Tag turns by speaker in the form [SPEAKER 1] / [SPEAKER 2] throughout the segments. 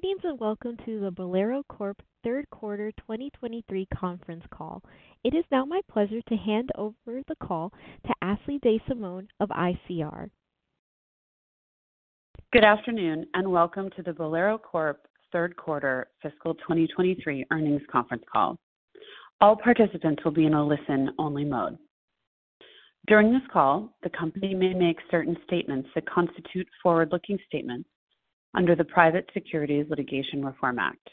[SPEAKER 1] Good evening, welcome to the Bowlero Corp third quarter 2023 conference call. It is now my pleasure to hand over the call to Ashley DeSimone of ICR.
[SPEAKER 2] Good afternoon and welcome to the Bowlero Corp 3rd quarter fiscal 2023 earnings conference call. All participants will be in a listen-only mode. During this call, the company may make certain statements that constitute forward-looking statements under the Private Securities Litigation Reform Act.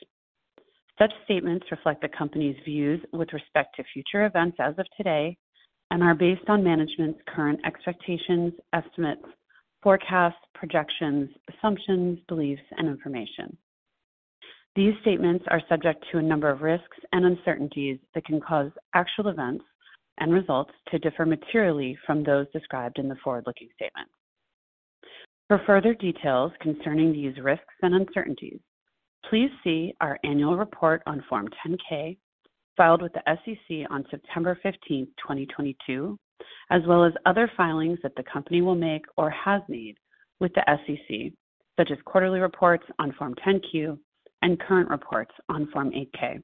[SPEAKER 2] Such statements reflect the company's views with respect to future events as of today and are based on management's current expectations, estimates, forecasts, projections, assumptions, beliefs, and information. These statements are subject to a number of risks and uncertainties that can cause actual events and results to differ materially from those described in the forward-looking statements. For further details concerning these risks and uncertainties, please see our annual report on Form 10-K, filed with the SEC on September 15th, 2022, as well as other filings that the company will make or has made with the SEC, such as quarterly reports on Form 10-Q and current reports on Form 8-K.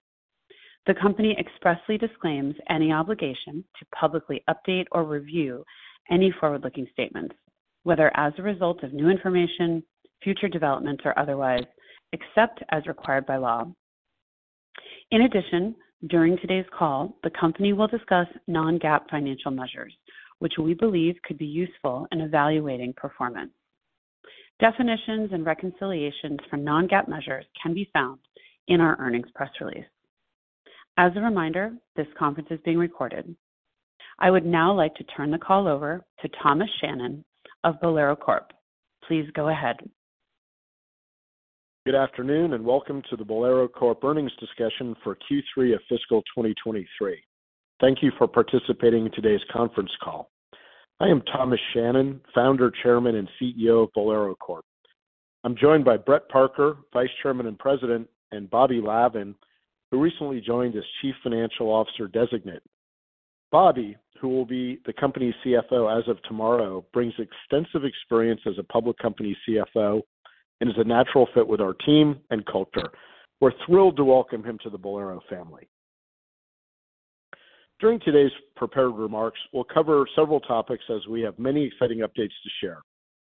[SPEAKER 2] The company expressly disclaims any obligation to publicly update or review any forward-looking statements, whether as a result of new information, future developments or otherwise, except as required by law. In addition, during today's call, the company will discuss non-GAAP financial measures, which we believe could be useful in evaluating performance. Definitions and reconciliations for non-GAAP measures can be found in our earnings press release. As a reminder, this conference is being recorded. I would now like to turn the call over to Thomas Shannon of Bowlero Corp. Please go ahead.
[SPEAKER 3] Good afternoon, and welcome to the Bowlero Corp earnings discussion for Q3 of fiscal 2023. Thank you for participating in today's conference call. I am Thomas Shannon, Founder, Chairman, and CEO of Bowlero Corp. I'm joined by Brett Parker, Vice Chairman and President, and Bobby Lavan, who recently joined as Chief Financial Officer Designate. Bobby, who will be the company's CFO as of tomorrow, brings extensive experience as a public company CFO and is a natural fit with our team and culture. We're thrilled to welcome him to the Bowlero family. During today's prepared remarks, we'll cover several topics as we have many exciting updates to share,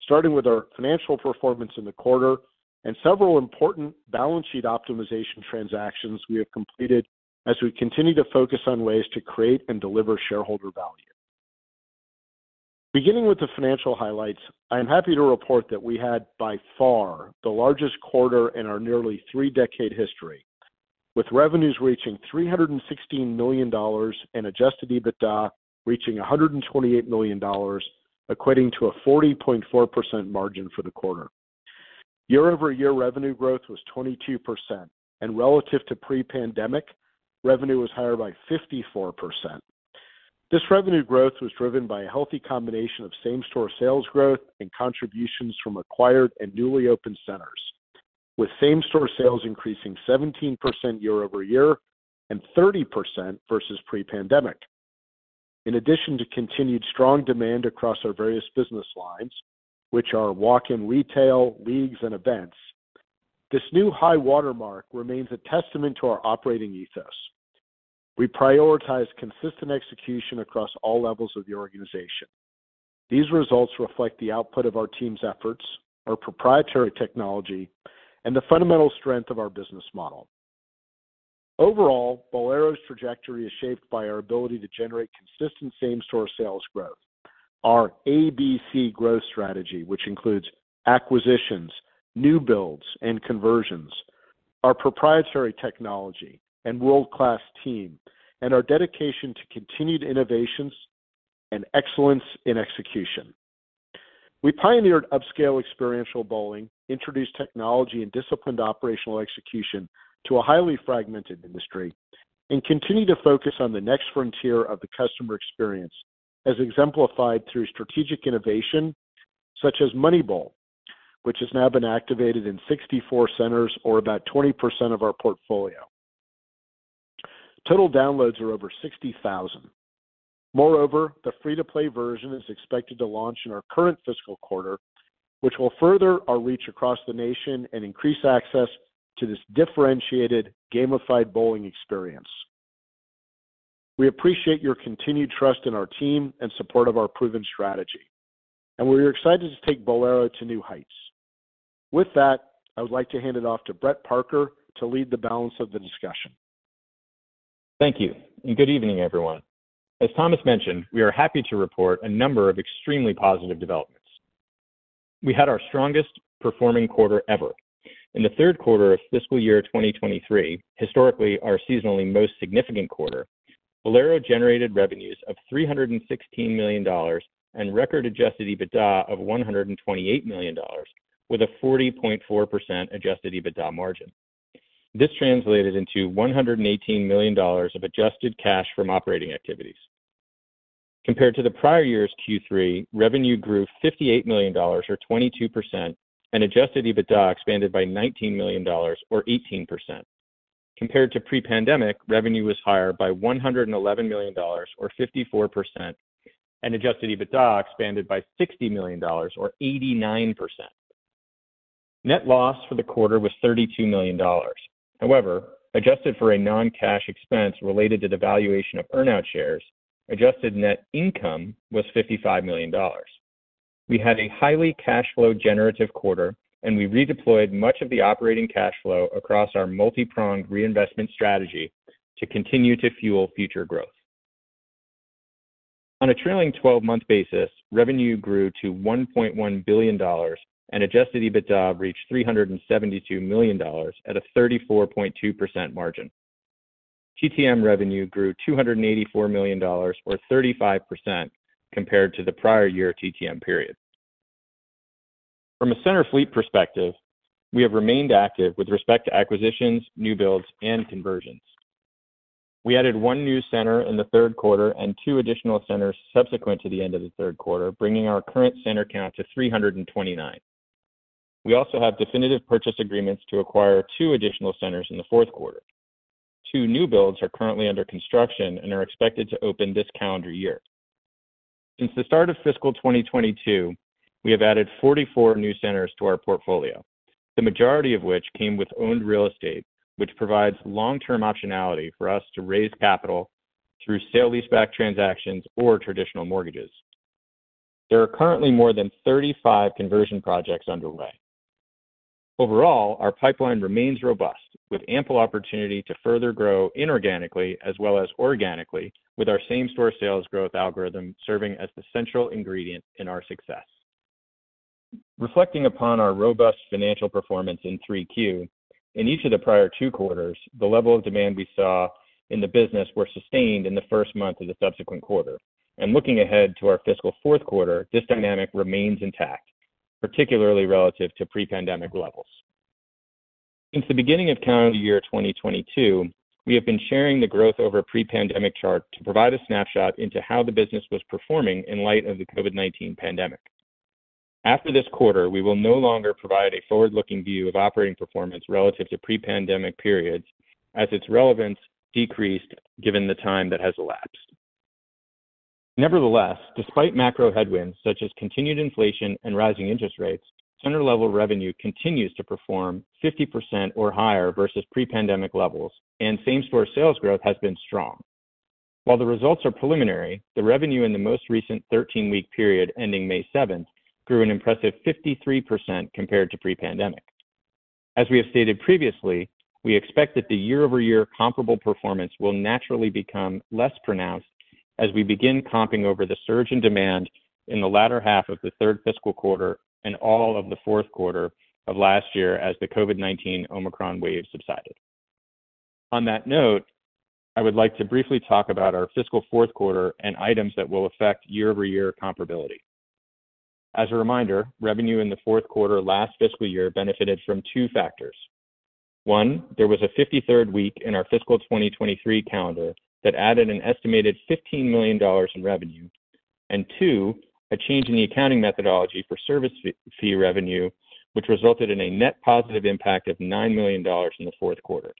[SPEAKER 3] starting with our financial performance in the quarter and several important balance sheet optimization transactions we have completed as we continue to focus on ways to create and deliver shareholder value. Beginning with the financial highlights, I am happy to report that we had by far the largest quarter in our nearly three-decade history, with revenues reaching $316 million and Adjusted EBITDA reaching $128 million, equating to a 40.4% margin for the quarter. Year-over-year revenue growth was 22%. Relative to pre-pandemic, revenue was higher by 54%. This revenue growth was driven by a healthy combination of same-store sales growth and contributions from acquired and newly opened centers, with same-store sales increasing 17% year-over-year and 30% versus pre-pandemic. In addition to continued strong demand across our various business lines, which are walk-in retail, leagues, and events, this new high watermark remains a testament to our operating ethos. We prioritize consistent execution across all levels of the organization. These results reflect the output of our team's efforts, our proprietary technology, and the fundamental strength of our business model. Overall, Bowlero's trajectory is shaped by our ability to generate consistent same-store sales growth. Our ABC growth strategy, which includes acquisitions, new builds, and conversions, our proprietary technology and world-class team, and our dedication to continued innovations and excellence in execution. We pioneered upscale experiential bowling, introduced technology and disciplined operational execution to a highly fragmented industry and continue to focus on the next frontier of the customer experience, as exemplified through strategic innovation such as MoneyBowl, which has now been activated in 64 centers or about 20% of our portfolio. Total downloads are over 60,000. Moreover, the free-to-play version is expected to launch in our current fiscal quarter, which will further our reach across the nation and increase access to this differentiated gamified bowling experience. We appreciate your continued trust in our team and support of our proven strategy, and we're excited to take Bowlero to new heights. With that, I would like to hand it off to Brett Parker to lead the balance of the discussion.
[SPEAKER 4] Thank you. Good evening, everyone. As Thomas mentioned, we are happy to report a number of extremely positive developments. We had our strongest performing quarter ever. In the third quarter of fiscal year 2023, historically our seasonally most significant quarter, Bowlero generated revenues of $316 million and record Adjusted EBITDA of $128 million, with a 40.4% Adjusted EBITDA margin. This translated into $118 million of adjusted cash from operating activities. Compared to the prior year's Q3, revenue grew $58 million or 22%, and Adjusted EBITDA expanded by $19 million or 18%. Compared to pre-pandemic, revenue was higher by $111 million or 54%, and Adjusted EBITDA expanded by $60 million or 89%. Net loss for the quarter was $32 million. Adjusted for a non-cash expense related to the valuation of earnout shares, adjusted net income was $55 million. We had a highly cash flow generative quarter, and we redeployed much of the operating cash flow across our multi-pronged reinvestment strategy to continue to fuel future growth. On a trailing 12-month basis, revenue grew to $1.1 billion, and Adjusted EBITDA reached $372 million at a 34.2% margin. TTM revenue grew $284 million or 35% compared to the prior year TTM period. From a center fleet perspective, we have remained active with respect to acquisitions, new builds, and conversions. We added one new center in the third quarter and two additional centers subsequent to the end of the third quarter, bringing our current center count to 329. We also have definitive purchase agreements to acquire two additional centers in the fourth quarter. Two new builds are currently under construction and are expected to open this calendar year. Since the start of fiscal 2022, we have added 44 new centers to our portfolio, the majority of which came with owned real estate, which provides long-term optionality for us to raise capital through sale leaseback transactions or traditional mortgages. There are currently more than 35 conversion projects underway. Overall, our pipeline remains robust, with ample opportunity to further grow inorganically as well as organically with our same-store sales growth algorithm serving as the central ingredient in our success. Reflecting upon our robust financial performance in 3Q, in each of the prior two quarters, the level of demand we saw in the business were sustained in the first month of the subsequent quarter. Looking ahead to our fiscal fourth quarter, this dynamic remains intact, particularly relative to pre-pandemic levels. Since the beginning of calendar year 2022, we have been sharing the growth over pre-pandemic chart to provide a snapshot into how the business was performing in light of the COVID-19 pandemic. After this quarter, we will no longer provide a forward-looking view of operating performance relative to pre-pandemic periods as its relevance decreased given the time that has elapsed. Nevertheless, despite macro headwinds such as continued inflation and rising interest rates, center-level revenue continues to perform 50% or higher versus pre-pandemic levels, and same-store sales growth has been strong. While the results are preliminary, the revenue in the most recent 13-week period ending May 7th grew an impressive 53% compared to pre-pandemic. As we have stated previously, we expect that the year-over-year comparable performance will naturally become less pronounced as we begin comping over the surge in demand in the latter half of the third fiscal quarter and all of the fourth quarter of last year as the COVID-19 Omicron wave subsided. On that note, I would like to briefly talk about our fiscal fourth quarter and items that will affect year-over-year comparability. As a reminder, revenue in the fourth quarter last fiscal year benefited from two factors. One, there was a 53rd week in our fiscal 2023 calendar that added an estimated $15 million in revenue, and two, a change in the accounting methodology for service fee revenue, which resulted in a net positive impact of $9 million in the fourth quarter.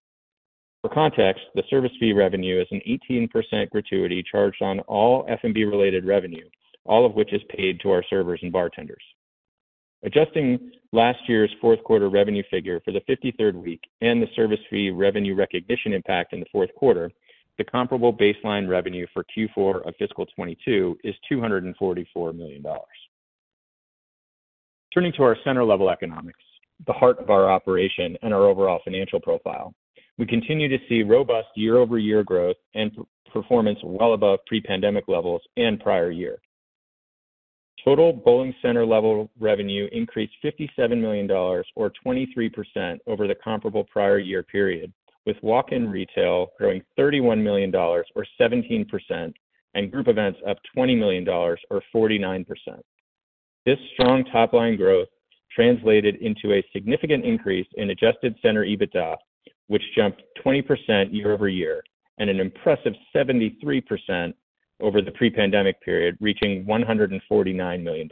[SPEAKER 4] For context, the service fee revenue is an 18% gratuity charged on all F&B related revenue, all of which is paid to our servers and bartenders. Adjusting last year's fourth quarter revenue figure for the 53rd week and the service fee revenue recognition impact in the fourth quarter, the comparable baseline revenue for Q4 of fiscal 2022 is $244 million. Turning to our center-level economics, the heart of our operation and our overall financial profile, we continue to see robust year-over-year growth and performance well above pre-pandemic levels and prior year. Total bowling center level revenue increased $57 million or 23% over the comparable prior year period, with walk-in retail growing $31 million or 17% and group events up $20 million or 49%. This strong top-line growth translated into a significant increase in adjusted center EBITDA, which jumped 20% year-over-year and an impressive 73% over the pre-pandemic period, reaching $149 million.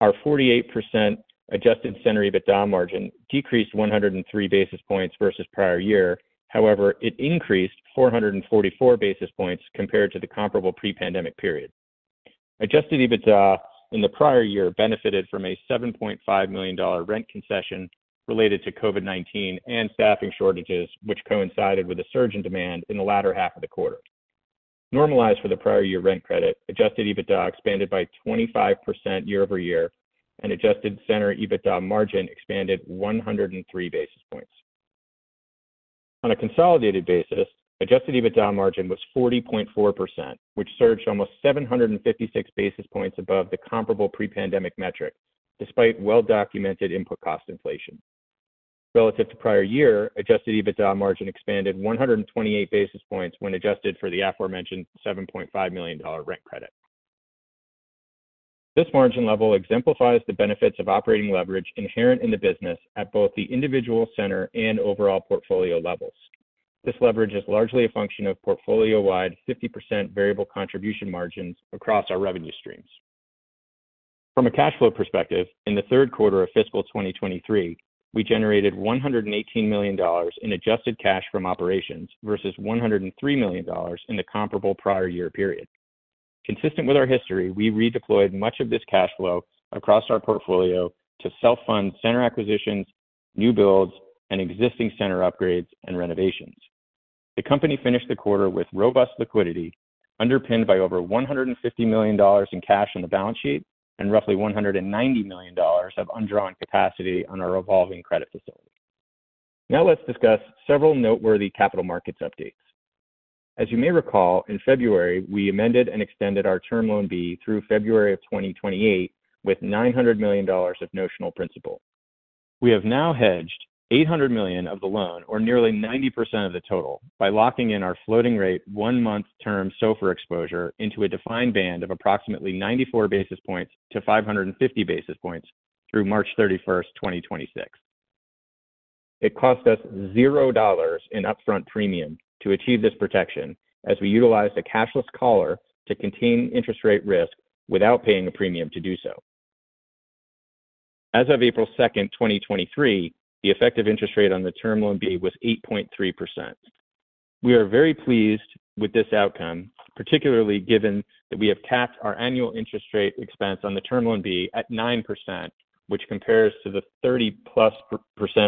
[SPEAKER 4] Our 48% adjusted center EBITDA margin decreased 103 basis points versus prior year. It increased 444 basis points compared to the comparable pre-pandemic period. Adjusted EBITDA in the prior year benefited from a $7.5 million rent concession related to COVID-19 and staffing shortages, which coincided with a surge in demand in the latter half of the quarter. Normalized for the prior year rent credit, adjusted EBITDA expanded by 25% year-over-year, and adjusted center EBITDA margin expanded 103 basis points. On a consolidated basis, Adjusted EBITDA margin was 40.4%, which surged almost 756 basis points above the comparable pre-pandemic metric despite well-documented input cost inflation. Relative to prior year, Adjusted EBITDA margin expanded 128 basis points when adjusted for the aforementioned $7.5 million rent credit. This margin level exemplifies the benefits of operating leverage inherent in the business at both the individual center and overall portfolio levels. This leverage is largely a function of portfolio-wide 50% variable contribution margins across our revenue streams. From a cash flow perspective, in the third quarter of fiscal 2023, we generated $118 million in adjusted cash from operations versus $103 million in the comparable prior year period. Consistent with our history, we redeployed much of this cash flow across our portfolio to self-fund center acquisitions, new builds, and existing center upgrades and renovations. The company finished the quarter with robust liquidity, underpinned by over $150 million in cash on the balance sheet and roughly $190 million of undrawn capacity on our revolving credit facility. Now let's discuss several noteworthy capital markets updates. As you may recall, in February, we amended and extended our Term Loan B through February 2028 with $900 million of notional principal. We have now hedged $800 million of the loan, or nearly 90% of the total, by locking in our floating rate one-month term SOFR exposure into a defined band of approximately 94 basis points to 550 basis points through March 31st, 2026. It cost us $0 in upfront premium to achieve this protection as we utilized a cashless collar to contain interest rate risk without paying a premium to do so. As of April 2, 2023, the effective interest rate on the Term Loan B was 8.3%. We are very pleased with this outcome, particularly given that we have capped our annual interest rate expense on the Term Loan B at 9%, which compares to the 30%+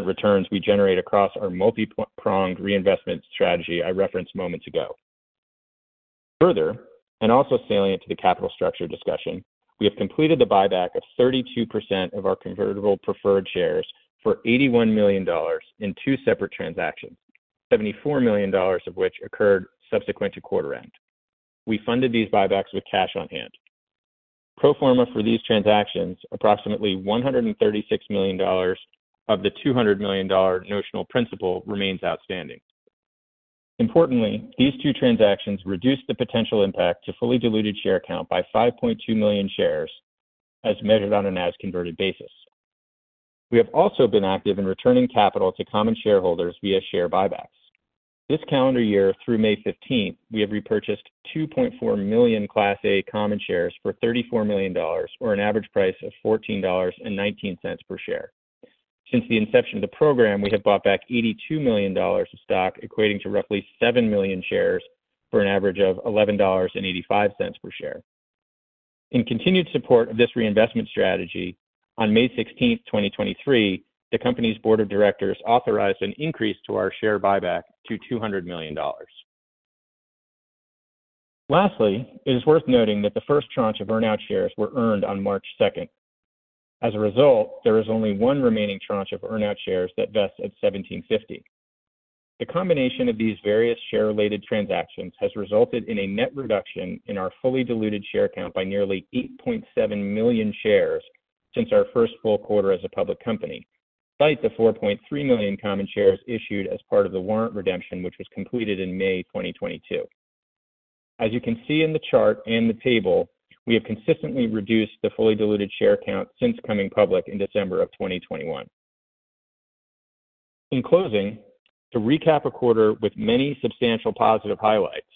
[SPEAKER 4] returns we generate across our multi-pronged reinvestment strategy I referenced moments ago. Further, and also salient to the capital structure discussion, we have completed the buyback of 32% of our convertible preferred shares for $81 million in two separate transactions, $74 million of which occurred subsequent to quarter end. We funded these buybacks with cash on hand. Pro forma for these transactions, approximately $136 million of the $200 million notional principal remains outstanding. Importantly, these two transactions reduced the potential impact to fully diluted share count by 5.2 million shares as measured on an as converted basis. We have also been active in returning capital to common shareholders via share buybacks. This calendar year through May 15th, we have repurchased 2.4 million Class A common stock for $34 million, or an average price of $14.19 per share. Since the inception of the program, we have bought back $82 million of stock, equating to roughly 7 million shares for an average of $11.85 per share. In continued support of this reinvestment strategy, on May 16, 2023, the company's board of directors authorized an increase to our share buyback to $200 million. It is worth noting that the first tranche of earnout shares were earned on March 2. There is only one remaining tranche of earnout shares that vest at $17.50. The combination of these various share-related transactions has resulted in a net reduction in our fully diluted share count by nearly 8.7 million shares since our first full quarter as a public company, despite the 4.3 million common shares issued as part of the warrant redemption, which was completed in May 2022. As you can see in the chart and the table, we have consistently reduced the fully diluted share count since coming public in December 2021. In closing, to recap a quarter with many substantial positive highlights,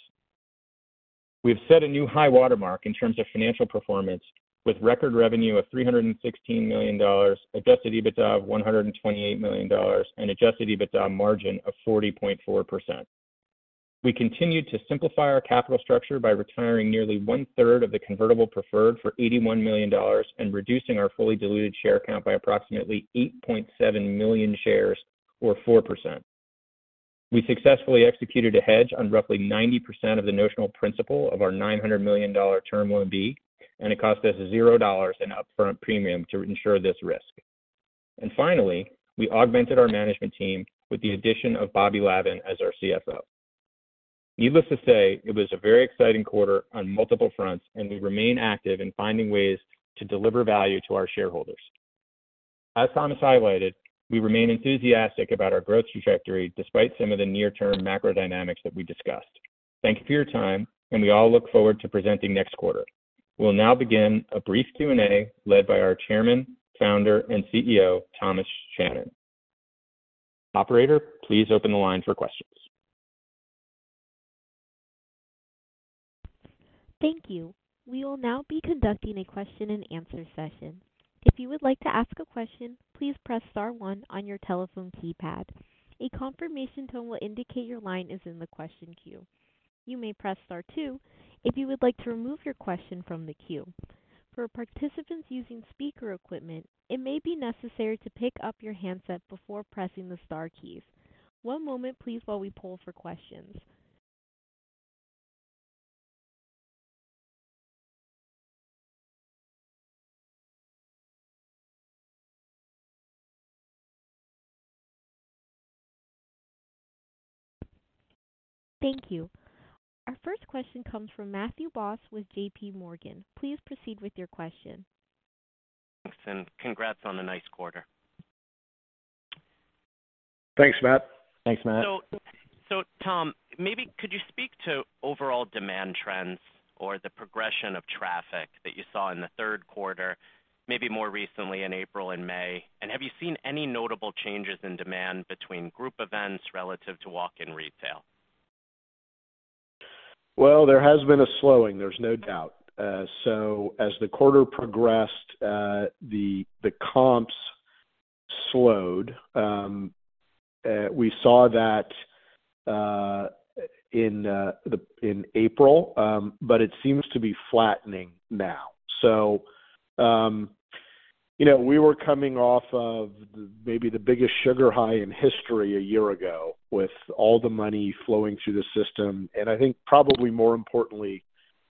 [SPEAKER 4] we have set a new high watermark in terms of financial performance with record revenue of $316 million, Adjusted EBITDA of $128 million, and Adjusted EBITDA margin of 40.4%. We continued to simplify our capital structure by retiring nearly one-third of the convertible preferred for $81 million and reducing our fully diluted share count by approximately 8.7 million shares or 4%. We successfully executed a hedge on roughly 90% of the notional principal of our $900 million Term Loan B, it cost us $0 in upfront premium to insure this risk. Finally, we augmented our management team with the addition of Bobby Lavan as our CFO. Needless to say, it was a very exciting quarter on multiple fronts, and we remain active in finding ways to deliver value to our shareholders. As Thomas highlighted, we remain enthusiastic about our growth trajectory despite some of the near-term macro dynamics that we discussed. Thank you for your time, and we all look forward to presenting next quarter. We'll now begin a brief Q&A led by our Chairman, Founder, and CEO, Thomas Shannon. Operator, please open the line for questions.
[SPEAKER 1] Thank you. We will now be conducting a question and answer session. If you would like to ask a question, please press star one on your telephone keypad. A confirmation tone will indicate your line is in the question queue. You may press star two if you would like to remove your question from the queue. For participants using speaker equipment, it may be necessary to pick up your handset before pressing the star keys. One moment please while we poll for questions. Thank you. Our first question comes from Matthew Boss with JPMorgan. Please proceed with your question.
[SPEAKER 5] Thanks, congrats on a nice quarter.
[SPEAKER 3] Thanks, Matt.
[SPEAKER 4] Thanks, Matt.
[SPEAKER 5] Tom, maybe could you speak to overall demand trends or the progression of traffic that you saw in the third quarter, maybe more recently in April and May? Have you seen any notable changes in demand between group events relative to walk-in retail?
[SPEAKER 3] Well, there has been a slowing, there's no doubt. As the quarter progressed, the comps slowed. We saw that in April, but it seems to be flattening now. You know, we were coming off of maybe the biggest sugar high in history a year ago with all the money flowing through the system. I think probably more importantly,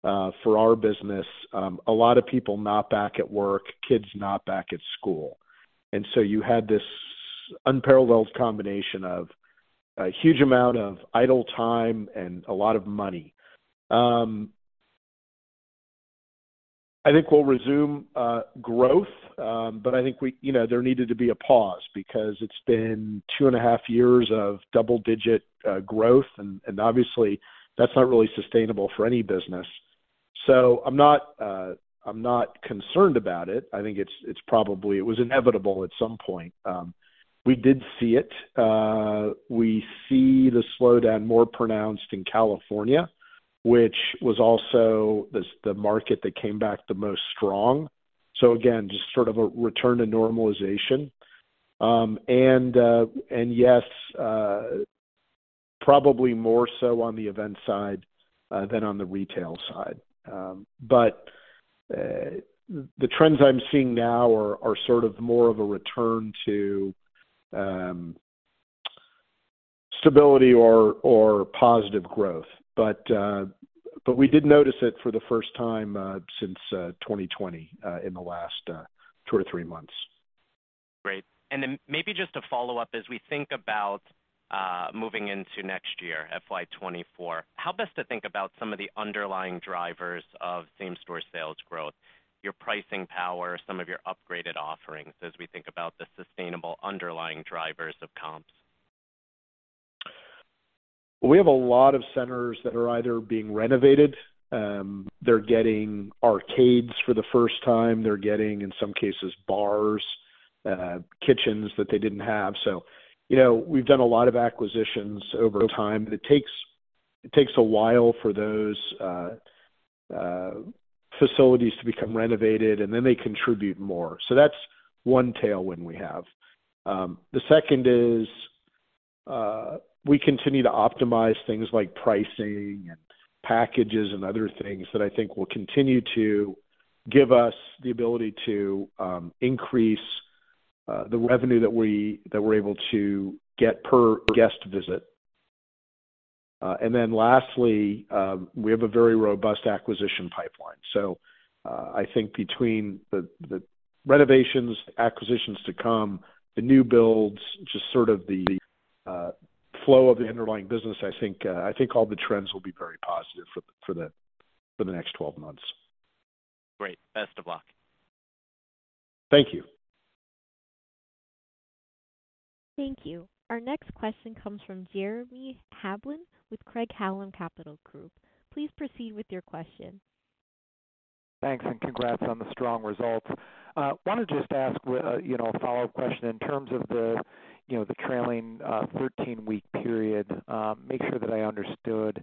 [SPEAKER 3] for our business, a lot of people not back at work, kids not back at school. You had this unparalleled combination of a huge amount of idle time and a lot of money. I think we'll resume growth, but I think we. You know, there needed to be a pause because it's been two and a half years of double-digit growth, and obviously that's not really sustainable for any business. I'm not concerned about it. I think it's, it was inevitable at some point. We did see it. We see the slowdown more pronounced in California, which was also the market that came back the most strong. Again, just sort of a return to normalization. Yes, probably more so on the event side than on the retail side. The trends I'm seeing now are sort of more of a return to stability or positive growth. We did notice it for the first time since 2020 in the last two or three months.
[SPEAKER 5] Great. Maybe just a follow-up. As we think about moving into next year, FY 2024, how best to think about some of the underlying drivers of same-store sales growth, your pricing power, some of your upgraded offerings as we think about the sustainable underlying drivers of comps?
[SPEAKER 3] We have a lot of centers that are either being renovated, they're getting arcades for the first time. They're getting, in some cases, bars, kitchens that they didn't have. You know, we've done a lot of acquisitions over time, but it takes a while for those facilities to become renovated and then they contribute more. That's one tailwind we have. The second is, we continue to optimize things like pricing and packages and other things that I think will continue to give us the ability to increase the revenue that we're able to get per guest visit. Lastly, we have a very robust acquisition pipeline. I think between the renovations, acquisitions to come, the new builds, just sort of the flow of the underlying business, I think, I think all the trends will be very positive for the next 12 months.
[SPEAKER 5] Great. Best of luck.
[SPEAKER 3] Thank you.
[SPEAKER 1] Thank you. Our next question comes from Jeremy Hamblin with Craig-Hallum Capital Group. Please proceed with your question.
[SPEAKER 6] Thanks and congrats on the strong results. wanted to just ask, you know, a follow-up question in terms of the, you know, the trailing 13-week period, make sure that I understood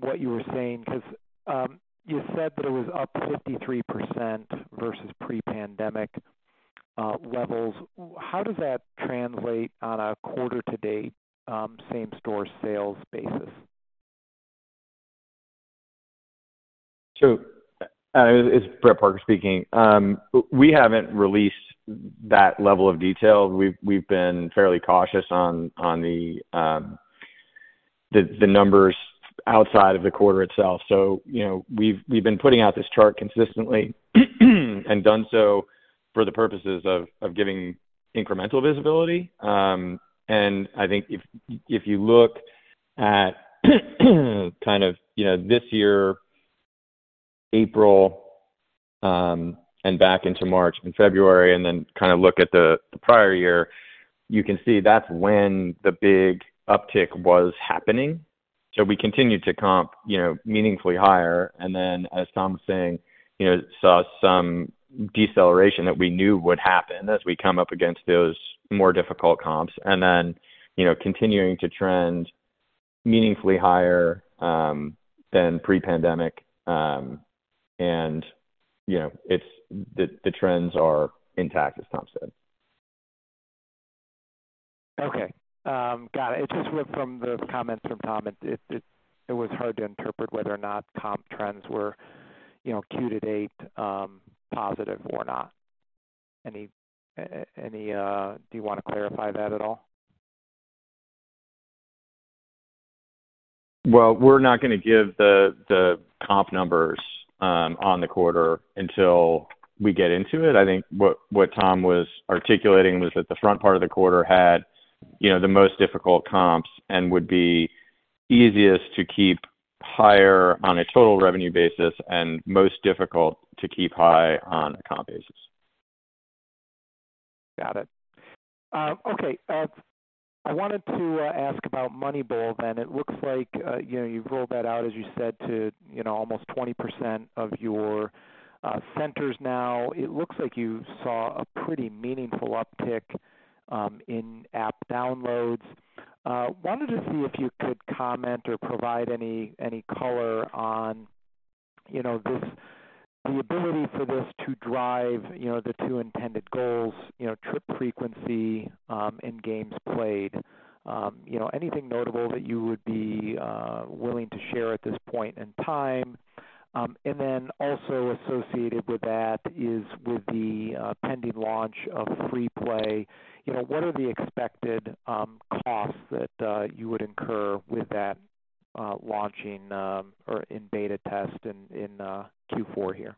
[SPEAKER 6] what you were saying, because, you said that it was up 53% versus pre-pandemic levels. How does that translate on a quarter to date, same-store sales basis?
[SPEAKER 4] Sure. It's Brett Parker speaking. We haven't released that level of detail. We've been fairly cautious on the numbers outside of the quarter itself. You know, we've been putting out this chart consistently and done so for the purposes of giving incremental visibility. I think if you look at kind of you know, this year, April, and back into March and February, and then kind of look at the prior year, you can see that's when the big uptick was happening. We continued to comp, you know, meaningfully higher. As Tom was saying, you know, saw some deceleration that we knew would happen as we come up against those more difficult comps. You know, continuing to trend meaningfully higher than pre-pandemic. You know, the trends are intact, as Tom said.
[SPEAKER 6] Okay. got it. It just went from the comments from Tom, it was hard to interpret whether or not comp trends were, you know, Q to date, positive or not. Do you want to clarify that at all?
[SPEAKER 4] we're not gonna give the comp numbers on the quarter until we get into it. I think what Tom was articulating was that the front part of the quarter had, you know, the most difficult comps and would be easiest to keep higher on a total revenue basis and most difficult to keep high on a comp basis.
[SPEAKER 6] Got it. Okay. I wanted to ask about MoneyBowl. It looks like, you know, you've rolled that out, as you said, to you know, almost 20% of your centers now. It looks like you saw a pretty meaningful uptick in app downloads. wanted to see if you could comment or provide any color onYou know, this, the ability for this to drive, you know, the two intended goals, you know, trip frequency, and games played, you know, anything notable that you would be willing to share at this point in time? Also associated with that is with the pending launch of Free Play. You know, what are the expected costs that you would incur with that launching or in beta test in Q4 here?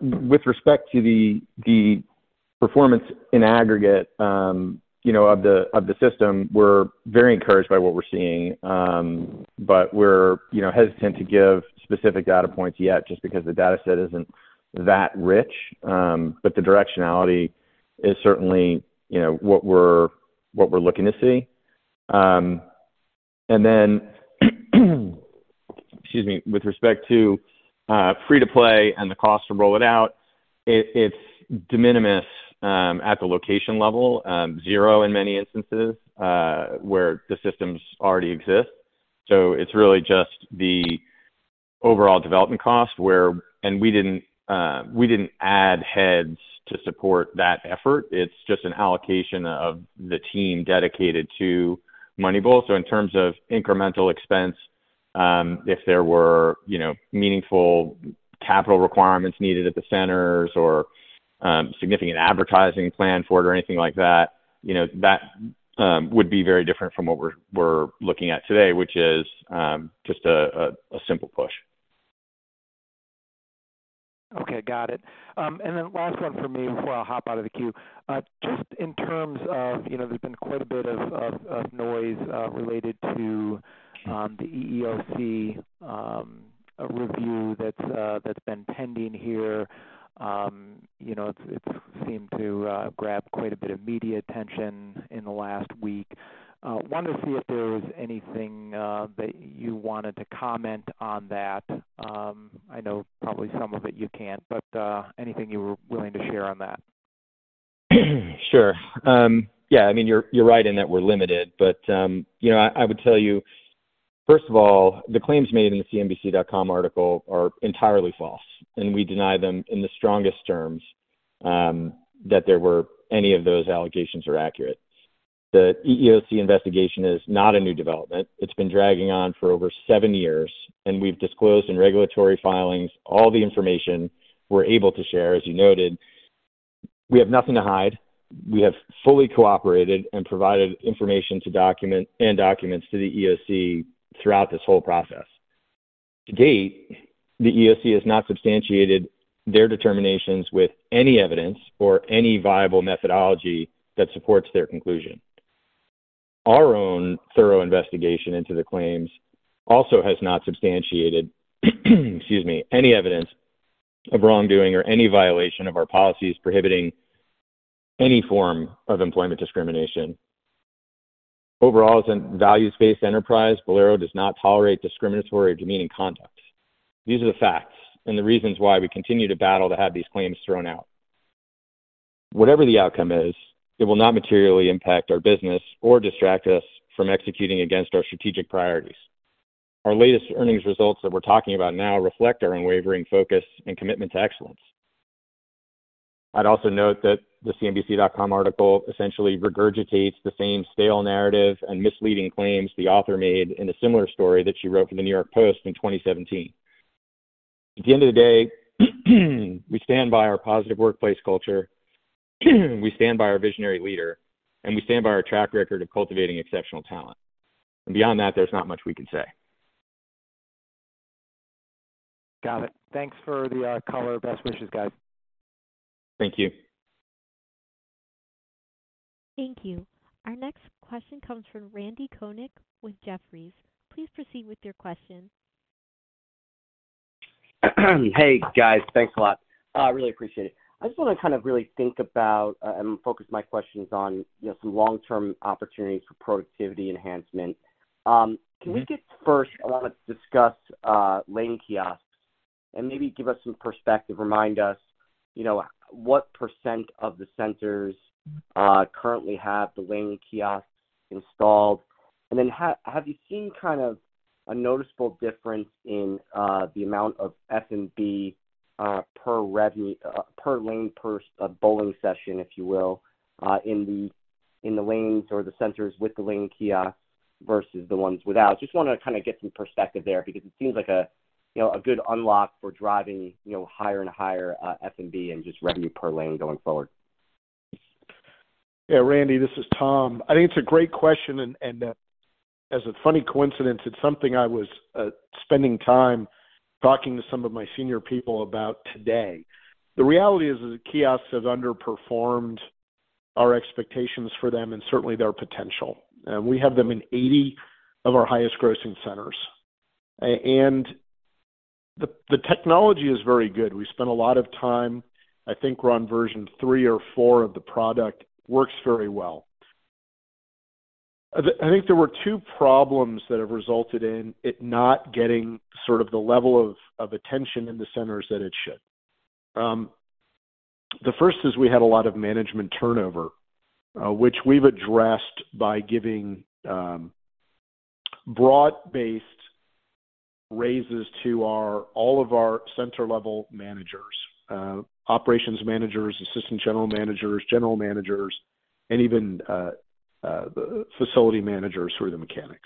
[SPEAKER 4] With respect to the performance in aggregate, you know, of the system, we're very encouraged by what we're seeing. We're, you know, hesitant to give specific data points yet just because the data set isn't that rich. The directionality is certainly, you know, what we're looking to see. Excuse me, with respect to, free-to-play and the cost to roll it out, it's de minimis, at the location level, zero in many instances, where the systems already exist. It's really just the overall development cost. We didn't add heads to support that effort. It's just an allocation of the team dedicated to MoneyBowl. In terms of incremental expense, if there were, you know, meaningful capital requirements needed at the centers or significant advertising plan for it or anything like that, you know, that would be very different from what we're looking at today, which is just a simple push.
[SPEAKER 6] Okay. Got it. Last one for me before I hop out of the queue. Just in terms of, you know, there's been quite a bit of noise related to the EEOC review that's been pending here. You know, it seemed to grab quite a bit of media attention in the last week. Wanted to see if there was anything that you wanted to comment on that. I know probably some of it you can't, but anything you were willing to share on that.
[SPEAKER 4] Sure. Yeah. I mean, you're right in that we're limited, but, you know, I would tell you, first of all, the claims made in the CNBC.com article are entirely false. We deny them in the strongest terms, that there were any of those allegations are accurate. The EEOC investigation is not a new development. It's been dragging on for over seven years. We've disclosed in regulatory filings all the information we're able to share, as you noted. We have nothing to hide. We have fully cooperated and provided information to document and documents to the EEOC throughout this whole process. To date, the EEOC has not substantiated their determinations with any evidence or any viable methodology that supports their conclusion. Our own thorough investigation into the claims also has not substantiated, excuse me, any evidence of wrongdoing or any violation of our policies prohibiting any form of employment discrimination. As a values-based enterprise, Bowlero does not tolerate discriminatory or demeaning conduct. These are the facts and the reasons why we continue to battle to have these claims thrown out. Whatever the outcome is, it will not materially impact our business or distract us from executing against our strategic priorities. Our latest earnings results that we're talking about now reflect our unwavering focus and commitment to excellence. I'd also note that the CNBC.com article essentially regurgitates the same stale narrative and misleading claims the author made in a similar story that she wrote for the New York Post in 2017. At the end of the day, we stand by our positive workplace culture, we stand by our visionary leader, and we stand by our track record of cultivating exceptional talent. Beyond that, there's not much we can say.
[SPEAKER 6] Got it. Thanks for the color. Best wishes, guys.
[SPEAKER 4] Thank you.
[SPEAKER 1] Thank you. Our next question comes from Randy Konik with Jefferies. Please proceed with your question.
[SPEAKER 7] Hey, guys. Thanks a lot. really appreciate it. I just wanna kind of really think about and focus my questions on, you know, some long-term opportunities for productivity enhancement. first, I want to discuss lane kiosks and maybe give us some perspective, remind us, you know, what percent of the centers currently have the lane kiosks installed. Have you seen kind of a noticeable difference in the amount of F&B per revenue per lane, per bowling session, if you will, in the, in the lanes or the centers with the lane kiosk versus the ones without? Just wanna kinda get some perspective there because it seems like a, you know, a good unlock for driving, you know, higher and higher F&B and just revenue per lane going forward.
[SPEAKER 3] Yeah, Randy, this is Tom. I think it's a great question, and as a funny coincidence, it's something I was spending time talking to some of my senior people about today. The reality is, the kiosks have underperformed our expectations for them and certainly their potential. We have them in 80 of our highest grossing centers. The technology is very good. We spent a lot of time. I think we're on version three or four of the product. Works very well. I think there were two problems that have resulted in it not getting sort of the level of attention in the centers that it should. The first is we had a lot of management turnover, which we've addressed by giving broad-based raises to all of our center-level managers, operations managers, assistant general managers, general managers, and even the facility managers who are the mechanics.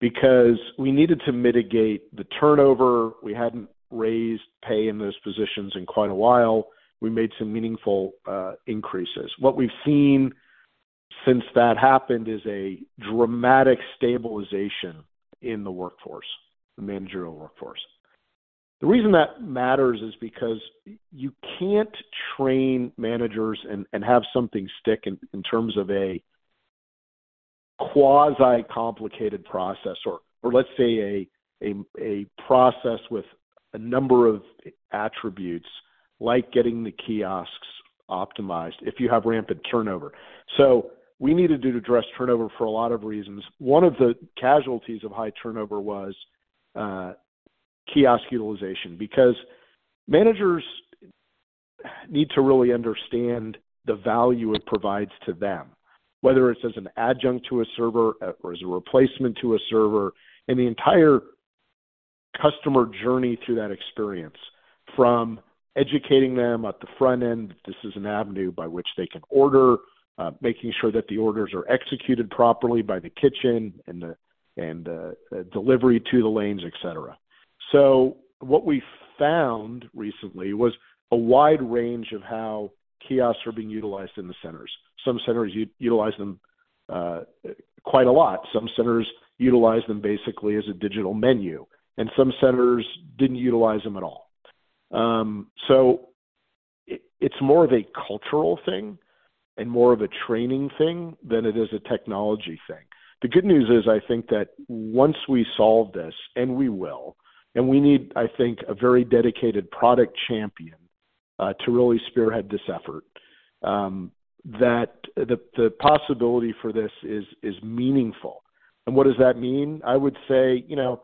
[SPEAKER 3] We needed to mitigate the turnover. We hadn't raised pay in those positions in quite a while. We made some meaningful increases. What we've seen since that happened is a dramatic stabilization in the workforce, the managerial workforce. The reason that matters is because you can't train managers and have something stick in terms of a quasi complicated process or let's say a process with a number of attributes, like getting the kiosks optimized if you have rampant turnover. We need to address turnover for a lot of reasons. One of the casualties of high turnover was kiosk utilization, because managers need to really understand the value it provides to them, whether it's as an adjunct to a server or as a replacement to a server, and the entire customer journey through that experience from educating them at the front end, this is an avenue by which they can order, making sure that the orders are executed properly by the kitchen and delivery to the lanes, et cetera. What we found recently was a wide range of how kiosks are being utilized in the centers. Some centers utilize them quite a lot. Some centers utilize them basically as a digital menu, and some centers didn't utilize them at all. It's more of a cultural thing and more of a training thing than it is a technology thing. The good news is, I think that once we solve this, and we will, and we need, I think, a very dedicated product champion to really spearhead this effort, that the possibility for this is meaningful. What does that mean? I would say, you know,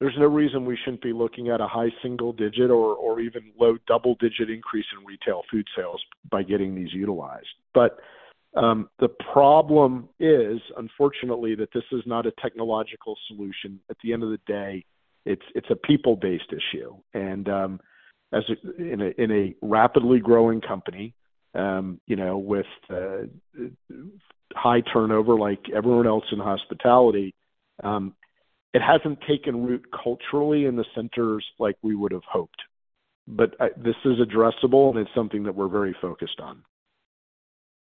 [SPEAKER 3] there's no reason we shouldn't be looking at a high single digit or even low double-digit increase in retail food sales by getting these utilized. The problem is, unfortunately, that this is not a technological solution. At the end of the day, it's a people-based issue. In a rapidly growing company, you know, with high turnover like everyone else in hospitality, it hasn't taken root culturally in the centers like we would have hoped. This is addressable, and it's something that we're very focused on.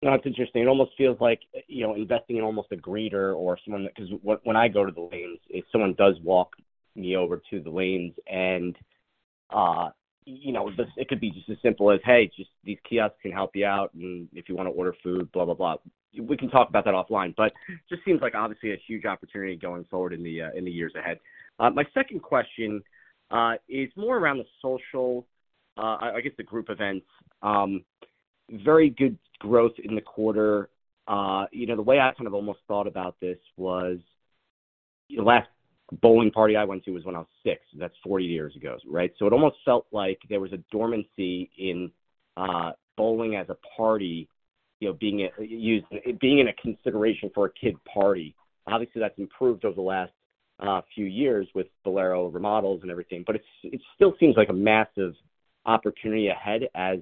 [SPEAKER 7] That's interesting. It almost feels like, you know, investing in almost a greeter or someone that. 'Cause when I go to the lanes, if someone does walk me over to the lanes and, you know, this, it could be just as simple as, "Hey, just these kiosks can help you out, and if you want to order food, blah, blah." We can talk about that offline. Just seems like obviously a huge opportunity going forward in the years ahead. My second question is more around the social, I guess the group events. Very good growth in the quarter. You know, the way I kind of almost thought about this was the last bowling party I went to was when I was six. That's 40 years ago, right? It almost felt like there was a dormancy in bowling as a party, you know, being in a consideration for a kid party. Obviously, that's improved over the last few years with Bowlero remodels and everything, but it still seems like a massive opportunity ahead as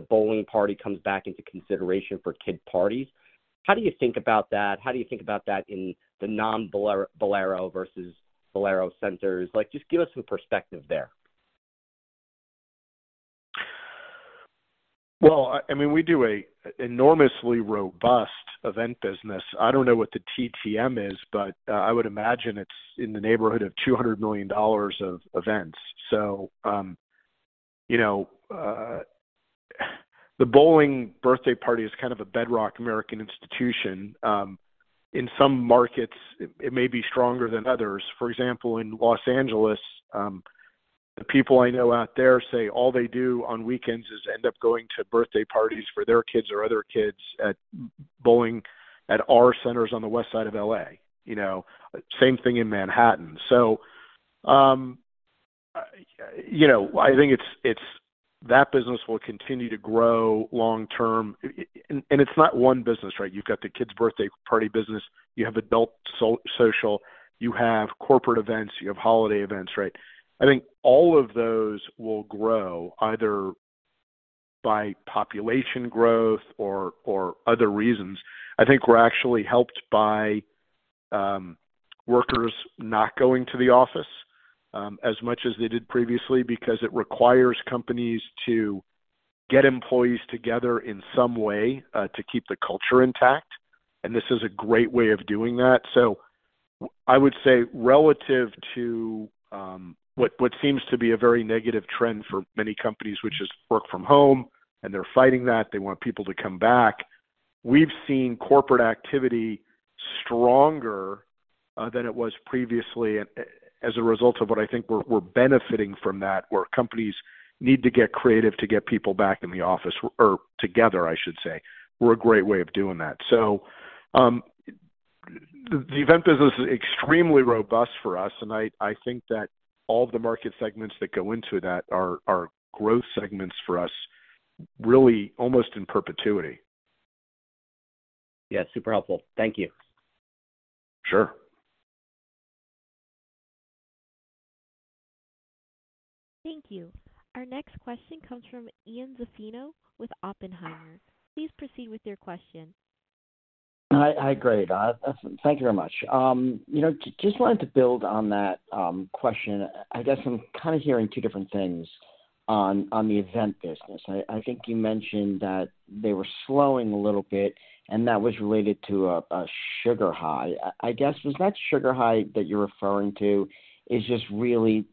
[SPEAKER 7] the bowling party comes back into consideration for kid parties. How do you think about that? How do you think about that in the non-Bowlero versus Bowlero centers? Like, just give us some perspective there.
[SPEAKER 3] Well, I mean, we do a enormously robust event business. I don't know what the TTM is, but I would imagine it's in the neighborhood of $200 million of events. You know, the bowling birthday party is kind of a bedrock American institution. In some markets it may be stronger than others. For example, in Los Angeles, the people I know out there say all they do on weekends is end up going to birthday parties for their kids or other kids at bowling at our centers on the west side of L.A. You know, same thing in Manhattan. You know, I think it's that business will continue to grow long-term. It's not one business, right? You've got the kids birthday party business, you have adult so-social, you have corporate events, you have holiday events, right? I think all of those will grow either by population growth or other reasons. I think we're actually helped by workers not going to the office as much as they did previously because it requires companies to get employees together in some way to keep the culture intact, and this is a great way of doing that. I would say relative to what seems to be a very negative trend for many companies, which is work from home, and they're fighting that, they want people to come back. We've seen corporate activity stronger than it was previously. As a result of what I think we're benefiting from that, where companies need to get creative to get people back in the office or together, I should say, we're a great way of doing that. The event business is extremely robust for us, and I think that all the market segments that go into that are growth segments for us, really almost in perpetuity.
[SPEAKER 7] Yes, super helpful. Thank you.
[SPEAKER 3] Sure.
[SPEAKER 1] Thank you. Our next question comes from Ian Zaffino with Oppenheimer. Please proceed with your question.
[SPEAKER 8] Hi. Great. Thank you very much. You know, just wanted to build on that question. I guess I'm kind of hearing two different things on the event business. I think you mentioned that they were slowing a little bit, and that was related to a sugar high. I guess was that sugar high that you're referring to is just really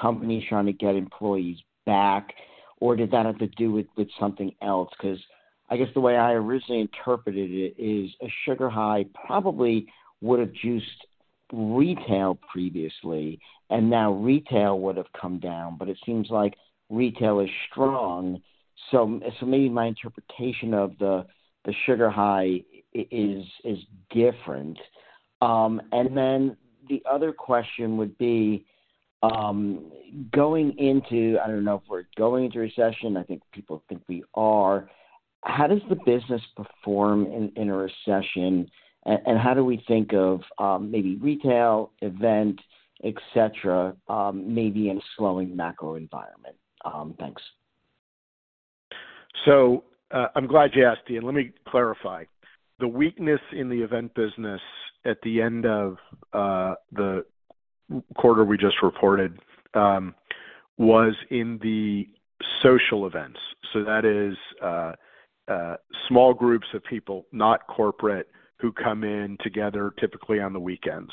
[SPEAKER 8] companies trying to get employees back, or did that have to do with something else? Because I guess the way I originally interpreted it is a sugar high probably would have juiced retail previously, and now retail would have come down, but it seems like retail is strong. Maybe my interpretation of the sugar high is different. Then the other question would be, going into... I don't know if we're going into recession. I think people think we are. How does the business perform in a recession, and how do we think of, maybe retail, event, et cetera, maybe in slowing macro environment? Thanks.
[SPEAKER 3] I'm glad you asked, Ian. Let me clarify. The weakness in the event business at the end of the quarter we just reported was in the social events. That is small groups of people, not corporate, who come in together typically on the weekends.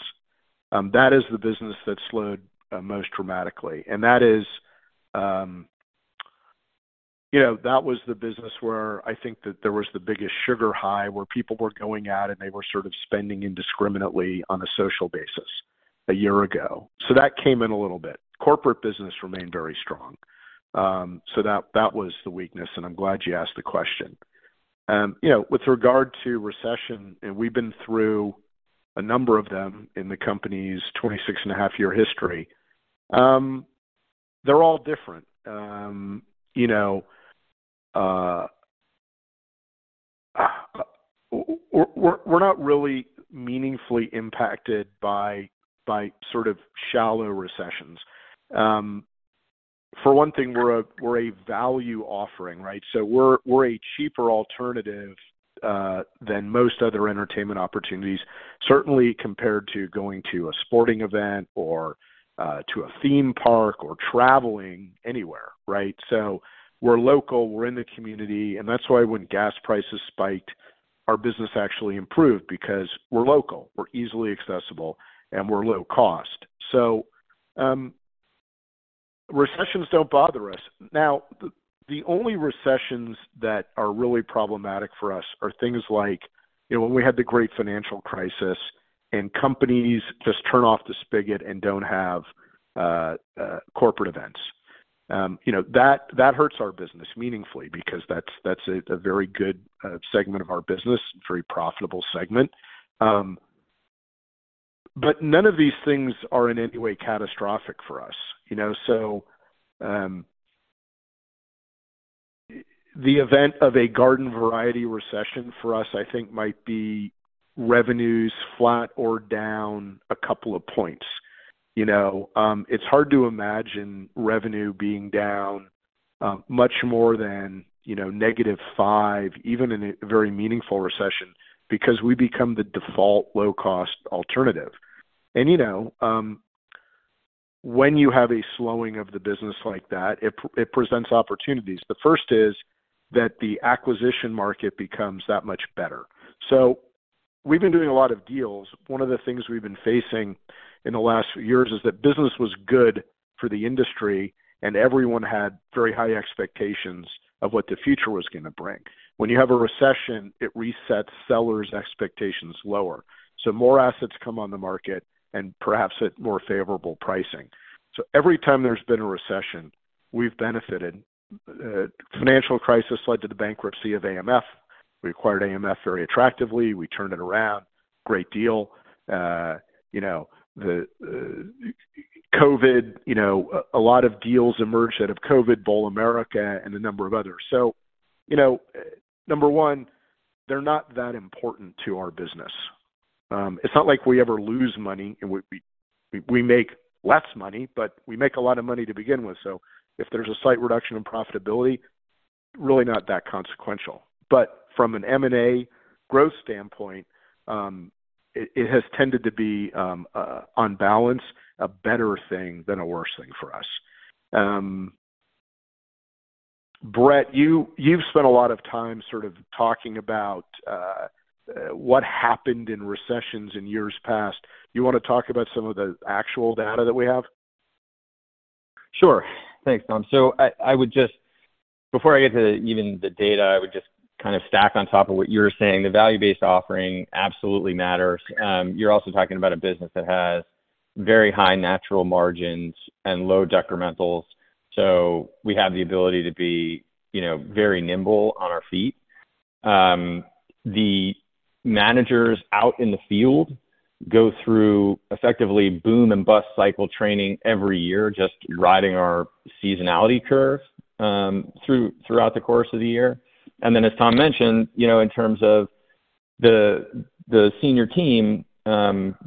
[SPEAKER 3] That is the business that slowed most dramatically, and that is, you know, that was the business where I think that there was the biggest sugar high, where people were going out and they were sort of spending indiscriminately on a social basis a year ago. That came in a little bit. Corporate business remained very strong. That was the weakness, and I'm glad you asked the question. You know, with regard to recession, we've been through a number of them in the company's 26 and a half year history, they're all different. You know, we're not really meaningfully impacted by sort of shallow recessions. For one thing, we're a value offering, right? We're a cheaper alternative than most other entertainment opportunities, certainly compared to going to a sporting event or to a theme park or traveling anywhere, right? We're local, we're in the community, and that's why when gas prices spiked, our business actually improved because we're local. We're easily accessible, and we're low cost. Recessions don't bother us. The only recessions that are really problematic for us are things like, you know, when we had the great financial crisis and companies just turn off the spigot and don't have corporate events, you know, that hurts our business meaningfully because that's a very good segment of our business, very profitable segment. None of these things are in any way catastrophic for us, you know? The event of a garden variety recession for us, I think, might be revenues flat or down two points. It's hard to imagine revenue being down much more than, you know, -5%, even in a very meaningful recession, because we become the default low cost alternative. You know, when you have a slowing of the business like that, it presents opportunities. The first is that the acquisition market becomes that much better. We've been doing a lot of deals. One of the things we've been facing in the last few years is that business was good for the industry and everyone had very high expectations of what the future was gonna bring. When you have a recession, it resets sellers expectations lower, so more assets come on the market and perhaps at more favorable pricing. Every time there's been a recession, we've benefited. The financial crisis led to the bankruptcy of AMF. We acquired AMF very attractively. We turned it around. Great deal. You know, the COVID, you know, a lot of deals emerged out of COVID, Bowl America and a number of others. You know, number one, they're not that important to our business. It's not like we ever lose money, we make less money, but we make a lot of money to begin with. If there's a slight reduction in profitability, really not that consequential. From an M&A growth standpoint, it has tended to be on balance, a better thing than a worse thing for us. Brett, you've spent a lot of time sort of talking about what happened in recessions in years past. You wanna talk about some of the actual data that we have?
[SPEAKER 4] Sure. Thanks, Tom. I would just before I get to even the data, I would just kind of stack on top of what you were saying. The value-based offering absolutely matters. You're also talking about a business that has very high natural margins and low decrementals. We have the ability to be, you know, very nimble on our feet. The managers out in the field go through effectively boom and bust cycle training every year, just riding our seasonality curve throughout the course of the year. As Tom mentioned, you know, in terms of the senior team,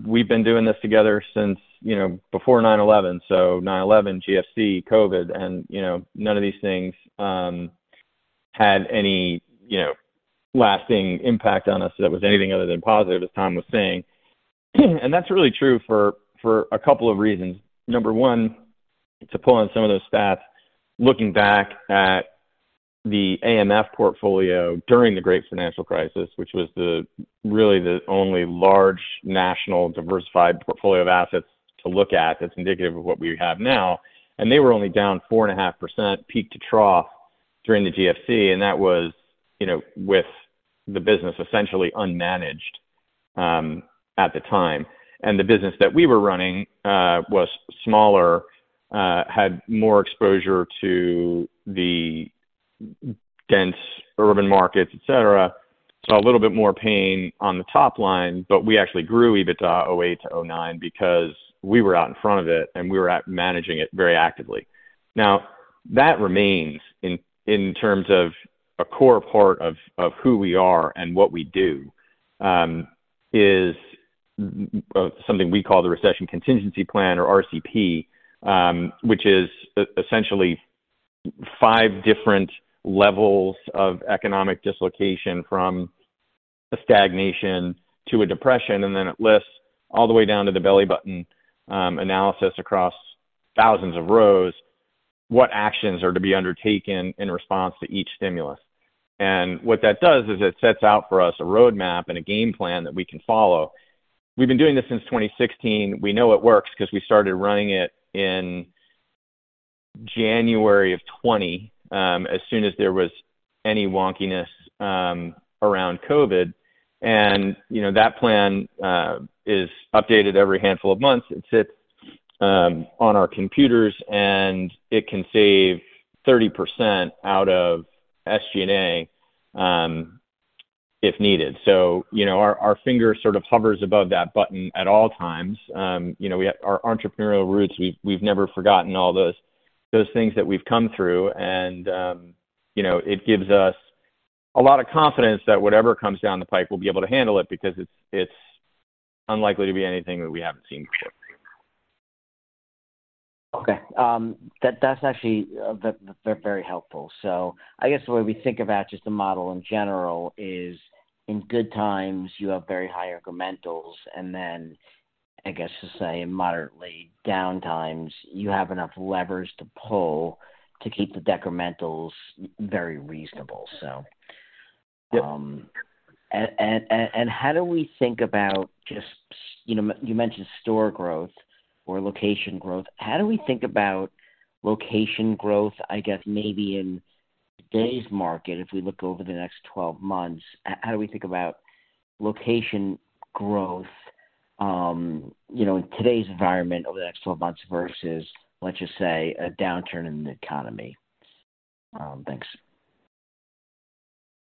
[SPEAKER 4] we've been doing this together since, you know, before 9/11. 9/11, GFC, COVID, and, you know, none of these things had any, you know, lasting impact on us that was anything other than positive, as Tom was saying. That's really true for a couple of reasons. Number one, to pull on some of those stats, looking back at the AMF portfolio during the Great Financial Crisis, which was really the only large national diversified portfolio of assets to look at that's indicative of what we have now. They were only down 4.5% peak to trough during the GFC, and that was, you know, with the business essentially unmanaged, at the time. The business that we were running, was smaller, had more exposure to the dense urban markets, et cetera. Saw a little bit more pain on the top line, but we actually grew EBITDA 2008 to 2009 because we were out in front of it, and we were at managing it very actively. That remains in terms of a core part of who we are and what we do, is something we call the Recession Contingency Plan or RCP, which is essentially five different levels of economic dislocation from a stagnation to a depression. Then it lists all the way down to the belly button analysis across thousands of rows, what actions are to be undertaken in response to each stimulus. What that does is it sets out for us a roadmap and a game plan that we can follow. We've been doing this since 2016. We know it works because we started running it in January of 2020, as soon as there was any wonkiness around COVID. You know, that plan is updated every handful of months. It sits on our computers, and it can save 30% out of SG&A if needed. You know, our finger sort of hovers above that button at all times. You know, we have our entrepreneurial roots. We've never forgotten all those things that we've come through. You know, it gives us a lot of confidence that whatever comes down the pipe, we'll be able to handle it because it's unlikely to be anything that we haven't seen before.
[SPEAKER 8] Okay. That's actually very helpful. I guess the way we think about just the model in general is in good times, you have very high incrementals, and then I guess to say in moderately down times, you have enough levers to pull to keep the decrementals very reasonable, so.
[SPEAKER 4] Yep.
[SPEAKER 8] And how do we think about just. You know, you mentioned store growth or location growth. How do we think about location growth, I guess maybe in today's market, if we look over the next 12 months, how do we think about location growth, you know, in today's environment over the next 12 months versus, let's just say, a downturn in the economy? Thanks.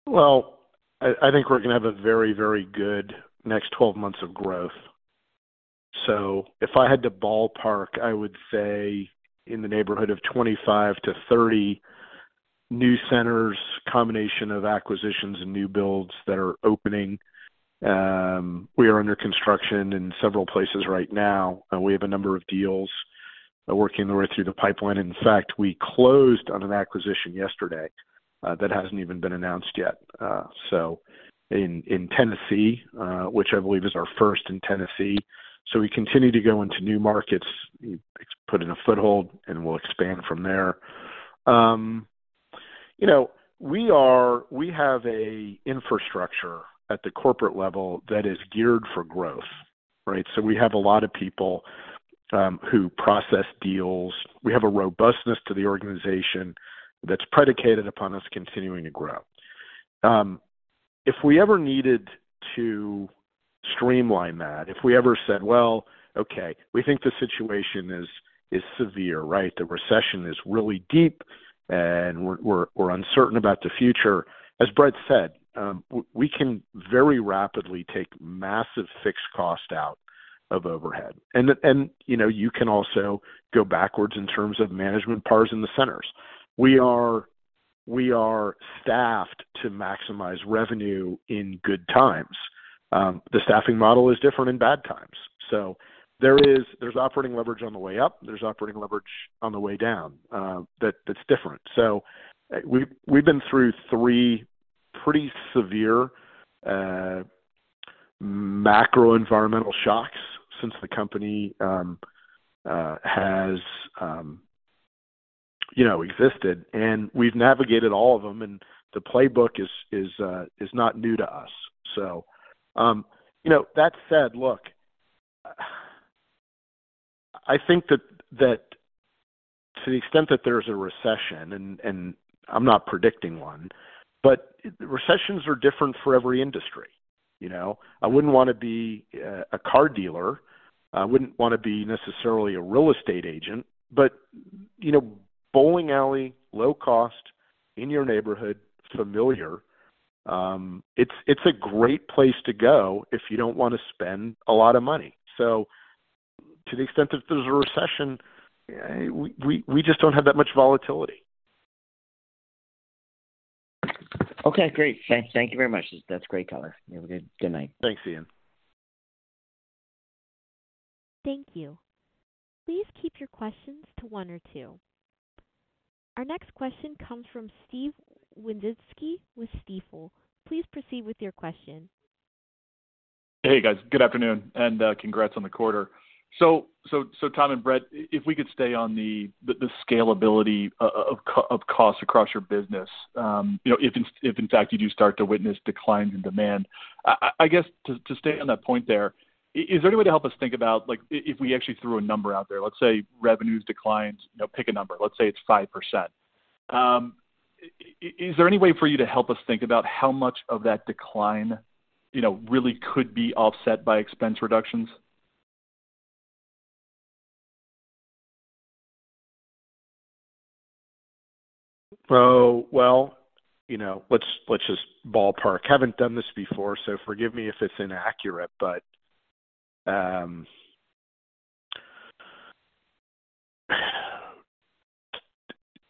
[SPEAKER 3] Well, I think we're gonna have a very, very good next 12 months of growth. If I had to ballpark, I would say in the neighborhood of 25-30 new centers, combination of acquisitions and new builds that are opening. We are under construction in several places right now, and we have a number of deals working their way through the pipeline. In fact, we closed on an acquisition yesterday that hasn't even been announced yet. In Tennessee, which I believe is our first in Tennessee. We continue to go into new markets, put in a foothold, and we'll expand from there. You know, we have a infrastructure at the corporate level that is geared for growth, right? We have a lot of people who process deals. We have a robustness to the organization that's predicated upon us continuing to grow. If we ever needed to streamline that, if we ever said, "Well, okay, we think the situation is severe," right? "The recession is really deep, and we're uncertain about the future." As Brett said, we can very rapidly take massive fixed cost out of overhead. You know, you can also go backwards in terms of management pars in the centers. We are staffed to maximize revenue in good times. The staffing model is different in bad times. There's operating leverage on the way up, there's operating leverage on the way down, that's different. We've been through three pretty severe macro environmental shocks since the company, you know, existed, and we've navigated all of them, and the playbook is not new to us. You know, that said, look, I think that to the extent that there's a recession and I'm not predicting one, but recessions are different for every industry, you know. I wouldn't wanna be a car dealer. I wouldn't wanna be necessarily a real estate agent, but, you know, bowling alley, low cost in your neighborhood, familiar. It's a great place to go if you don't wanna spend a lot of money. To the extent that there's a recession, we just don't have that much volatility.
[SPEAKER 8] Okay, great. Thank you very much. That's great color. You have a good night.
[SPEAKER 3] Thanks, Ian.
[SPEAKER 1] Thank you. Please keep your questions to one or two. Our next question comes from Steve Wieczynski with Stifel. Please proceed with your question.
[SPEAKER 9] Hey, guys. Good afternoon and congrats on the quarter. Tom and Brett, if we could stay on the scalability of costs across your business, you know, if in fact you do start to witness declines in demand, I guess to stay on that point there, is there any way to help us think about like if we actually threw a number out there, let's say revenues declined, you know, pick a number. Let's say it's 5%. Is there any way for you to help us think about how much of that decline, you know, really could be offset by expense reductions?
[SPEAKER 3] Well, you know, let's just ballpark. Haven't done this before, so forgive me if it's inaccurate,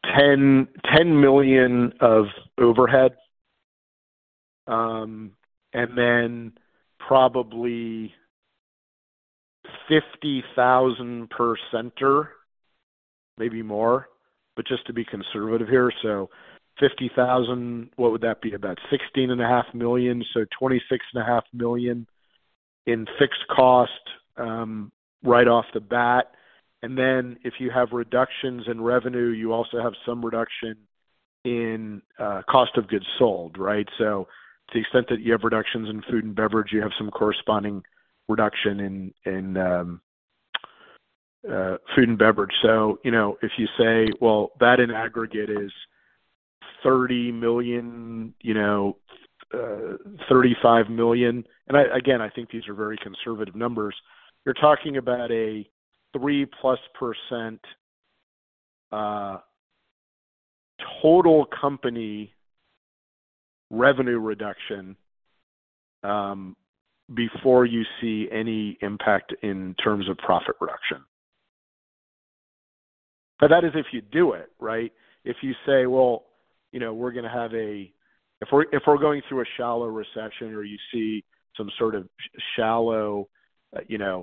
[SPEAKER 3] but $10 million of overhead, and then probably $50,000 per center, maybe more. Just to be conservative here. $50,000, what would that be? About $16.5 million. $26.5 million in fixed cost right off the bat. Then if you have reductions in revenue, you also have some reduction in cost of goods sold, right? To the extent that you have reductions in food and beverage, you have some corresponding reduction in food and beverage. You know, if you say, well, that in aggregate is $30 million, you know, $35 million. Again, I think these are very conservative numbers. You're talking about a 3%+ total company revenue reduction before you see any impact in terms of profit reduction. That is if you do it, right? If you say, well, you know, we're gonna have a... If we're going through a shallow recession or you see some sort of shallow, you know,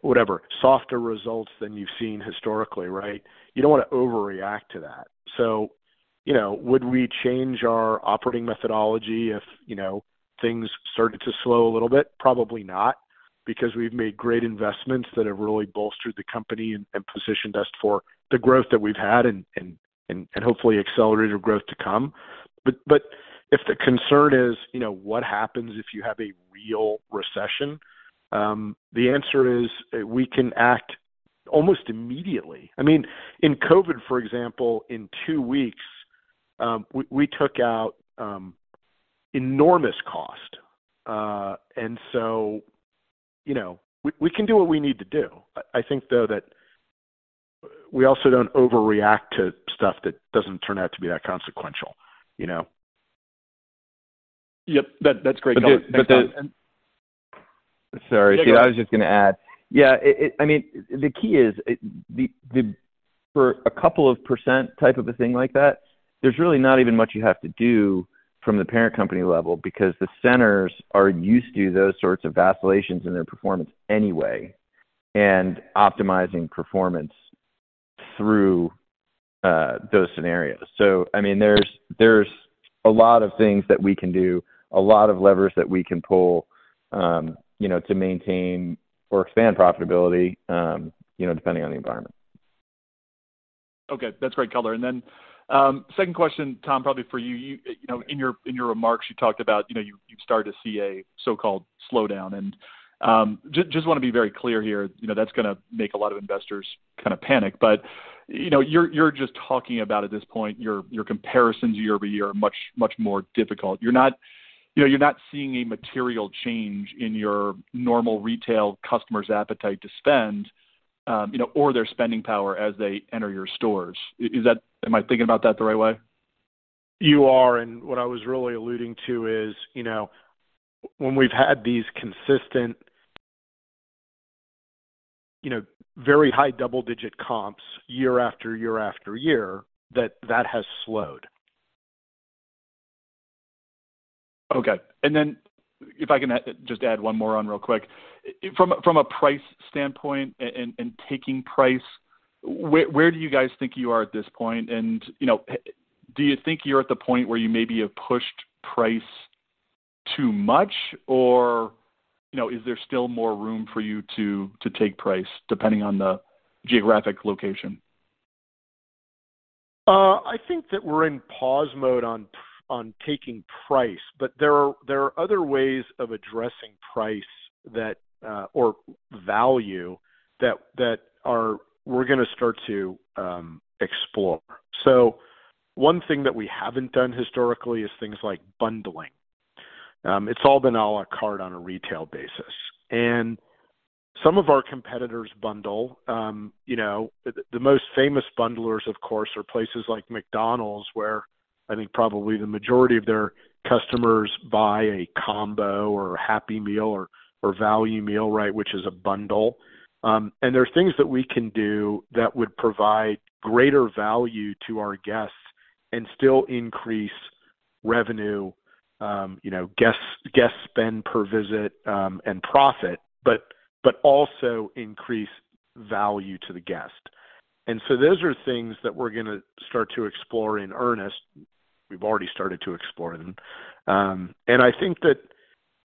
[SPEAKER 3] whatever, softer results than you've seen historically, right? You don't want to overreact to that. You know, would we change our operating methodology if, you know, things started to slow a little bit? Probably not, because we've made great investments that have really bolstered the company and positioned us for the growth that we've had and hopefully accelerated growth to come. If the concern is, you know, what happens if you have a real recession, the answer is we can act almost immediately. I mean, in COVID-19, for example, in two weeks, we took out enormous cost. You know, we can do what we need to do. I think, though, that we also don't overreact to stuff that doesn't turn out to be that consequential, you know.
[SPEAKER 9] Yep. That's great color. Thanks, Tom.
[SPEAKER 3] But the.
[SPEAKER 4] Sorry. I was just gonna add. Yeah, it, I mean, the key is the for a couple of % type of a thing like that, there's really not even much you have to do from the parent company level because the centers are used to those sorts of vacillations in their performance anyway and optimizing performance through those scenarios. I mean, there's a lot of things that we can do, a lot of levers that we can pull, you know, to maintain or expand profitability, you know, depending on the environment.
[SPEAKER 9] Okay. That's great color. Second question, Tom, probably for you. You know, in your, in your remarks, you talked about, you know, you've started to see a so-called slowdown. Just wanna be very clear here, you know, that's gonna make a lot of investors kind of panic. You know, you're just talking about at this point, your comparisons year-over-year are much, much more difficult. You're not, you know, you're not seeing a material change in your normal retail customer's appetite to spend, you know, or their spending power as they enter your stores. Am I thinking about that the right way?
[SPEAKER 3] You are. What I was really alluding to is, you know, when we've had these consistent, you know, very high double-digit comps year after year after year, that that has slowed.
[SPEAKER 9] Okay. Then if I can just add one more on real quick. From a price standpoint and taking price, where do you guys think you are at this point? You know, do you think you're at the point where you maybe have pushed price too much or, you know, is there still more room for you to take price depending on the geographic location?
[SPEAKER 3] I think that we're in pause mode on taking price, but there are, there are other ways of addressing price that or value that we're gonna start to explore. One thing that we haven't done historically is things like bundling. It's all been à la carte on a retail basis. Some of our competitors bundle. You know, the most famous bundlers, of course, are places like McDonald's, where I think probably the majority of their customers buy a combo or a Happy Meal or Value Meal, right, which is a bundle. There are things that we can do that would provide greater value to our guests and still increase revenue, you know, guests, guest spend per visit, and profit, but also increase value to the guest. Those are things that we're gonna start to explore in earnest. We've already started to explore them. I think that,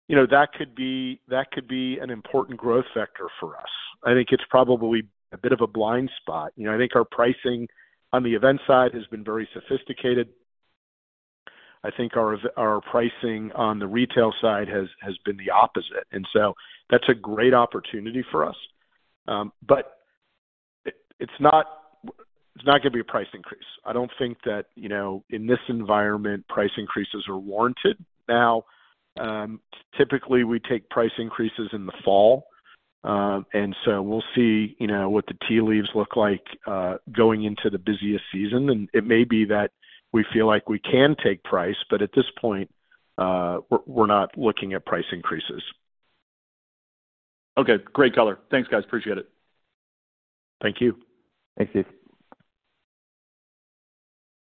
[SPEAKER 3] you know, that could be, that could be an important growth sector for us. I think it's probably a bit of a blind spot. You know, I think our pricing on the event side has been very sophisticated. I think our pricing on the retail side has been the opposite. That's a great opportunity for us. It's not, it's not gonna be a price increase. I don't think that, you know, in this environment, price increases are warranted. Now, typically, we take price increases in the fall, we'll see, you know, what the tea leaves look like, going into the busiest season. It may be that we feel like we can take price, but at this point, we're not looking at price increases.
[SPEAKER 9] Okay, great color. Thanks, guys. Appreciate it.
[SPEAKER 3] Thank you.
[SPEAKER 4] Thanks, Steve.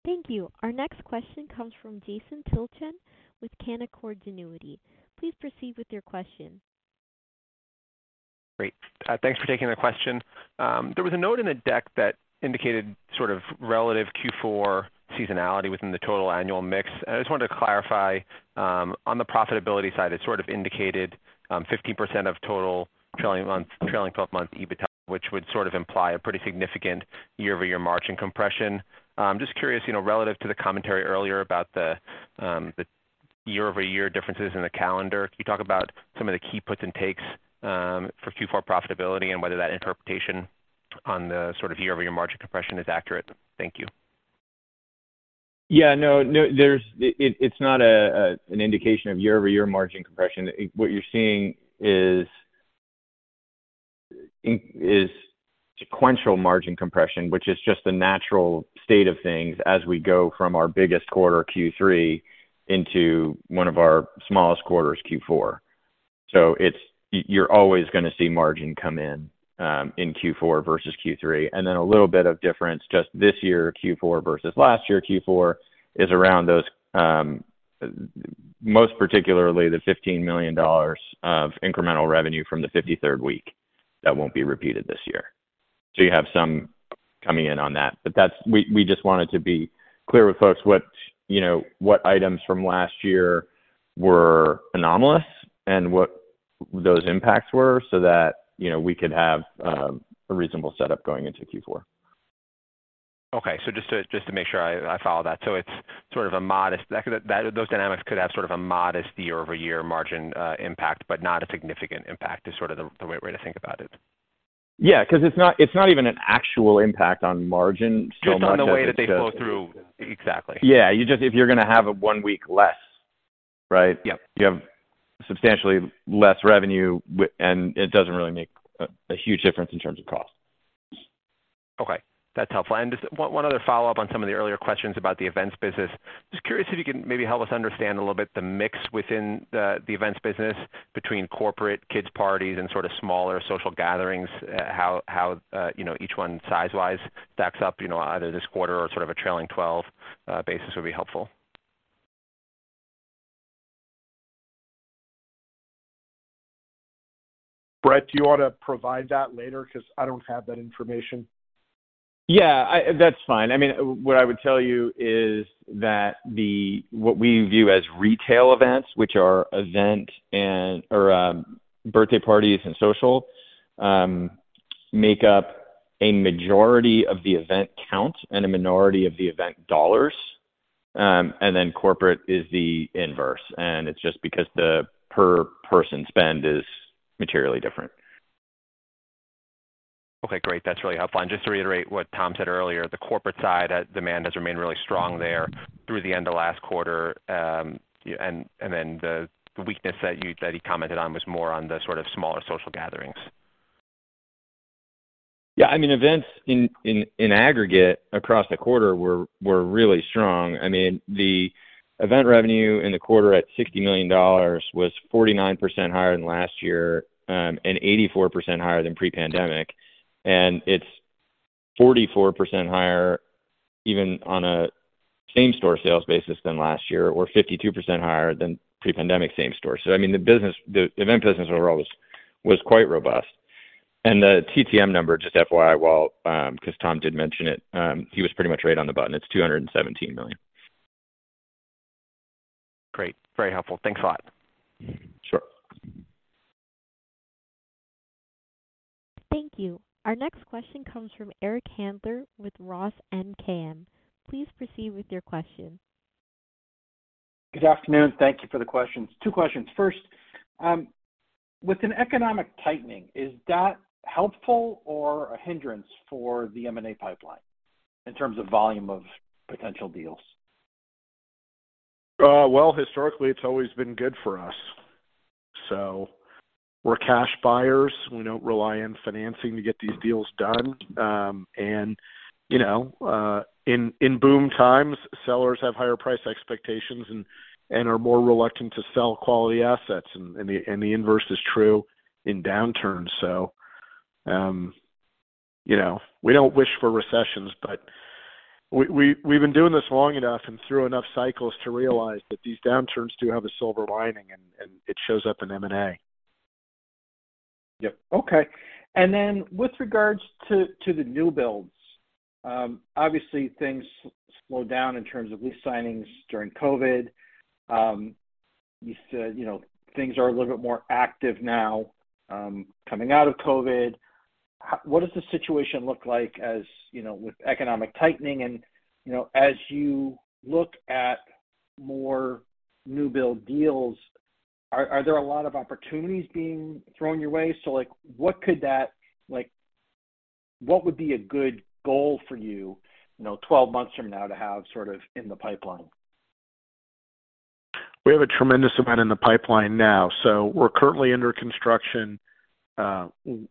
[SPEAKER 1] Thank you. Our next question comes from Jason Tilchen with Canaccord Genuity. Please proceed with your question.
[SPEAKER 10] Great. Thanks for taking my question. There was a note in the deck that indicated sort of relative Q4 seasonality within the total annual mix. I just wanted to clarify, on the profitability side, it sort of indicated 15% of total trailing twelve-month EBITDA, which would sort of imply a pretty significant year-over-year margin compression. Just curious, you know, relative to the commentary earlier about the year-over-year differences in the calendar. Can you talk about some of the key puts and takes for Q4 profitability and whether that interpretation on the sort of year-over-year margin compression is accurate? Thank you.
[SPEAKER 4] No, no. It's not an indication of year-over-year margin compression. What you're seeing is sequential margin compression, which is just the natural state of things as we go from our biggest quarter, Q3, into one of our smallest quarters, Q4. You're always gonna see margin come in in Q4 versus Q3. A little bit of difference just this year, Q4, versus last year, Q4, is around those, most particularly the $15 million of incremental revenue from the 53rd week. That won't be repeated this year. You have some coming in on that. That's, we just wanted to be clear with folks what, you know, what items from last year were anomalous and what those impacts were so that, you know, we could have a reasonable setup going into Q4.
[SPEAKER 10] Okay. Just to make sure I follow that. Those dynamics could have sort of a modest year-over-year margin impact but not a significant impact is sort of the right way to think about it.
[SPEAKER 4] Yeah, 'cause it's not, it's not even an actual impact on margin.
[SPEAKER 10] Just on the way that they flow through. Exactly.
[SPEAKER 4] Yeah. If you're gonna have one week less, right?
[SPEAKER 10] Yeah.
[SPEAKER 4] You have substantially less revenue and it doesn't really make a huge difference in terms of cost.
[SPEAKER 10] Okay, that's helpful. Just one other follow-up on some of the earlier questions about the events business. Just curious if you can maybe help us understand a little bit the mix within the events business between corporate kids parties and sort of smaller social gatherings, how, you know, each one size-wise stacks up, you know, either this quarter or sort of a trailing twelve basis would be helpful?
[SPEAKER 3] Brett, do you wanna provide that later? 'Cause I don't have that information.
[SPEAKER 4] Yeah, That's fine. I mean, what I would tell you is that what we view as retail events, which are event or birthday parties and social, make up a majority of the event count and a minority of the event dollars. Corporate is the inverse, and it's just because the per person spend is materially different.
[SPEAKER 10] Okay, great. That's really helpful. Just to reiterate what Tom said earlier, the corporate side, demand has remained really strong there through the end of last quarter, and then the weakness that he commented on was more on the sort of smaller social gatherings.
[SPEAKER 4] Yeah. I mean, events in aggregate across the quarter were really strong. The event revenue in the quarter at $60 million was 49% higher than last year, 84% higher than pre-pandemic. It's 44% higher even on a same-store sales basis than last year or 52% higher than pre-pandemic same store. I mean, the event business overall was quite robust. The TTM number, just FYI, while, because Tom did mention it, he was pretty much right on the button. It's $217 million.
[SPEAKER 10] Great. Very helpful. Thanks a lot.
[SPEAKER 4] Sure.
[SPEAKER 1] Thank you. Our next question comes from Eric Handler with Roth MKM. Please proceed with your question.
[SPEAKER 11] Good afternoon. Thank you for the questions. Two questions. First, with an economic tightening, is that helpful or a hindrance for the M&A pipeline in terms of volume of potential deals?
[SPEAKER 3] Well, historically, it's always been good for us. We're cash buyers. We don't rely on financing to get these deals done. You know, in boom times, sellers have higher price expectations and are more reluctant to sell quality assets. The inverse is true in downturns. You know, we don't wish for recessions, but we've been doing this long enough and through enough cycles to realize that these downturns do have a silver lining, and it shows up in M&A.
[SPEAKER 11] Yep. Okay. With regards to the new builds, obviously things slowed down in terms of lease signings during COVID. You said, you know, things are a little bit more active now, coming out of COVID. What does the situation look like as, you know, with economic tightening and, you know, as you look at more new build deals, are there a lot of opportunities being thrown your way? Like, what would be a good goal for you know, 12 months from now to have sort of in the pipeline?
[SPEAKER 3] We have a tremendous amount in the pipeline now. We're currently under construction,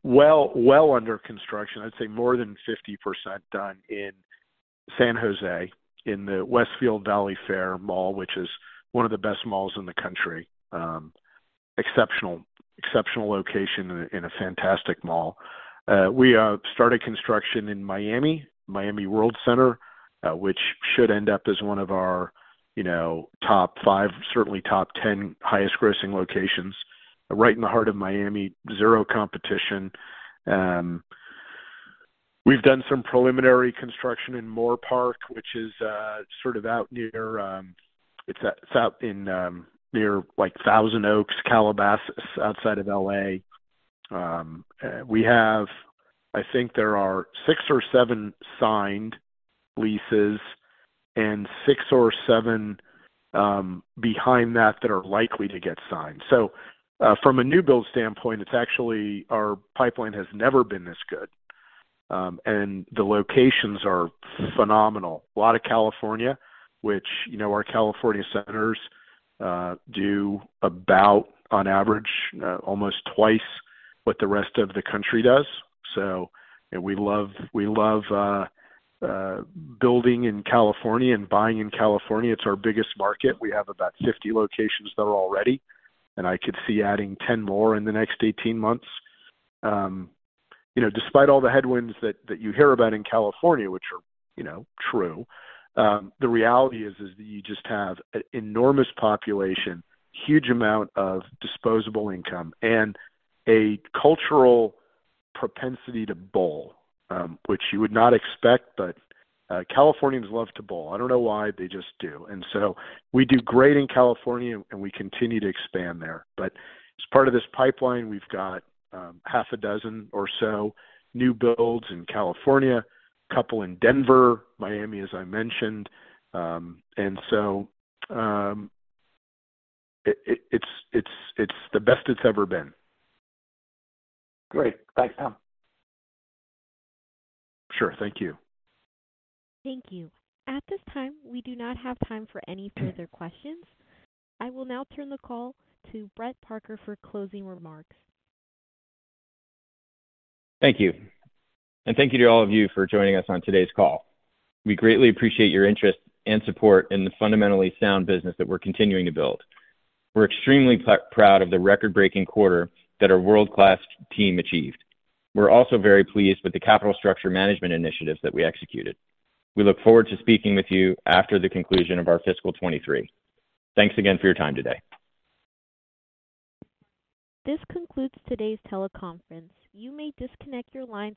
[SPEAKER 3] well, well under construction, I'd say more than 50% done in San Jose in the Westfield Valley Fair Mall, which is one of the best malls in the country. Exceptional, exceptional location and a fantastic mall. We started construction in Miami WorldCenter, which should end up as one of our, you know, top five, certainly top 10 highest grossing locations right in the heart of Miami, zero competition. We've done some preliminary construction in Moorpark, which is sort of out near, it's out in, near, like, Thousand Oaks, Calabasas, outside of L.A. I think there are six or seven signed leases and six or seven behind that are likely to get signed. From a new build standpoint, it's actually our pipeline has never been this good. The locations are phenomenal. A lot of California, which, you know, our California centers do about on average almost twice what the rest of the country does. You know, we love building in California and buying in California. It's our biggest market. We have about 50 locations there already, I could see adding 10 more in the next 18 months. You know, despite all the headwinds that you hear about in California, which are, you know, true, the reality is that you just have an enormous population, huge amount of disposable income, and a cultural propensity to bowl, which you would not expect, Californians love to bowl. I don't know why they just do. We do great in California, and we continue to expand there. As part of this pipeline, we've got half a dozen or so new builds in California, couple in Denver, Miami, as I mentioned. It's the best it's ever been.
[SPEAKER 11] Great. Thanks, Tom.
[SPEAKER 3] Sure. Thank you.
[SPEAKER 1] Thank you. At this time, we do not have time for any further questions. I will now turn the call to Brett Parker for closing remarks.
[SPEAKER 4] Thank you. Thank you to all of you for joining us on today's call. We greatly appreciate your interest and support in the fundamentally sound business that we're continuing to build. We're extremely proud of the record-breaking quarter that our world-class team achieved. We're also very pleased with the capital structure management initiatives that we executed. We look forward to speaking with you after the conclusion of our fiscal 2023. Thanks again for your time today.
[SPEAKER 1] This concludes today's teleconference. You may disconnect your lines.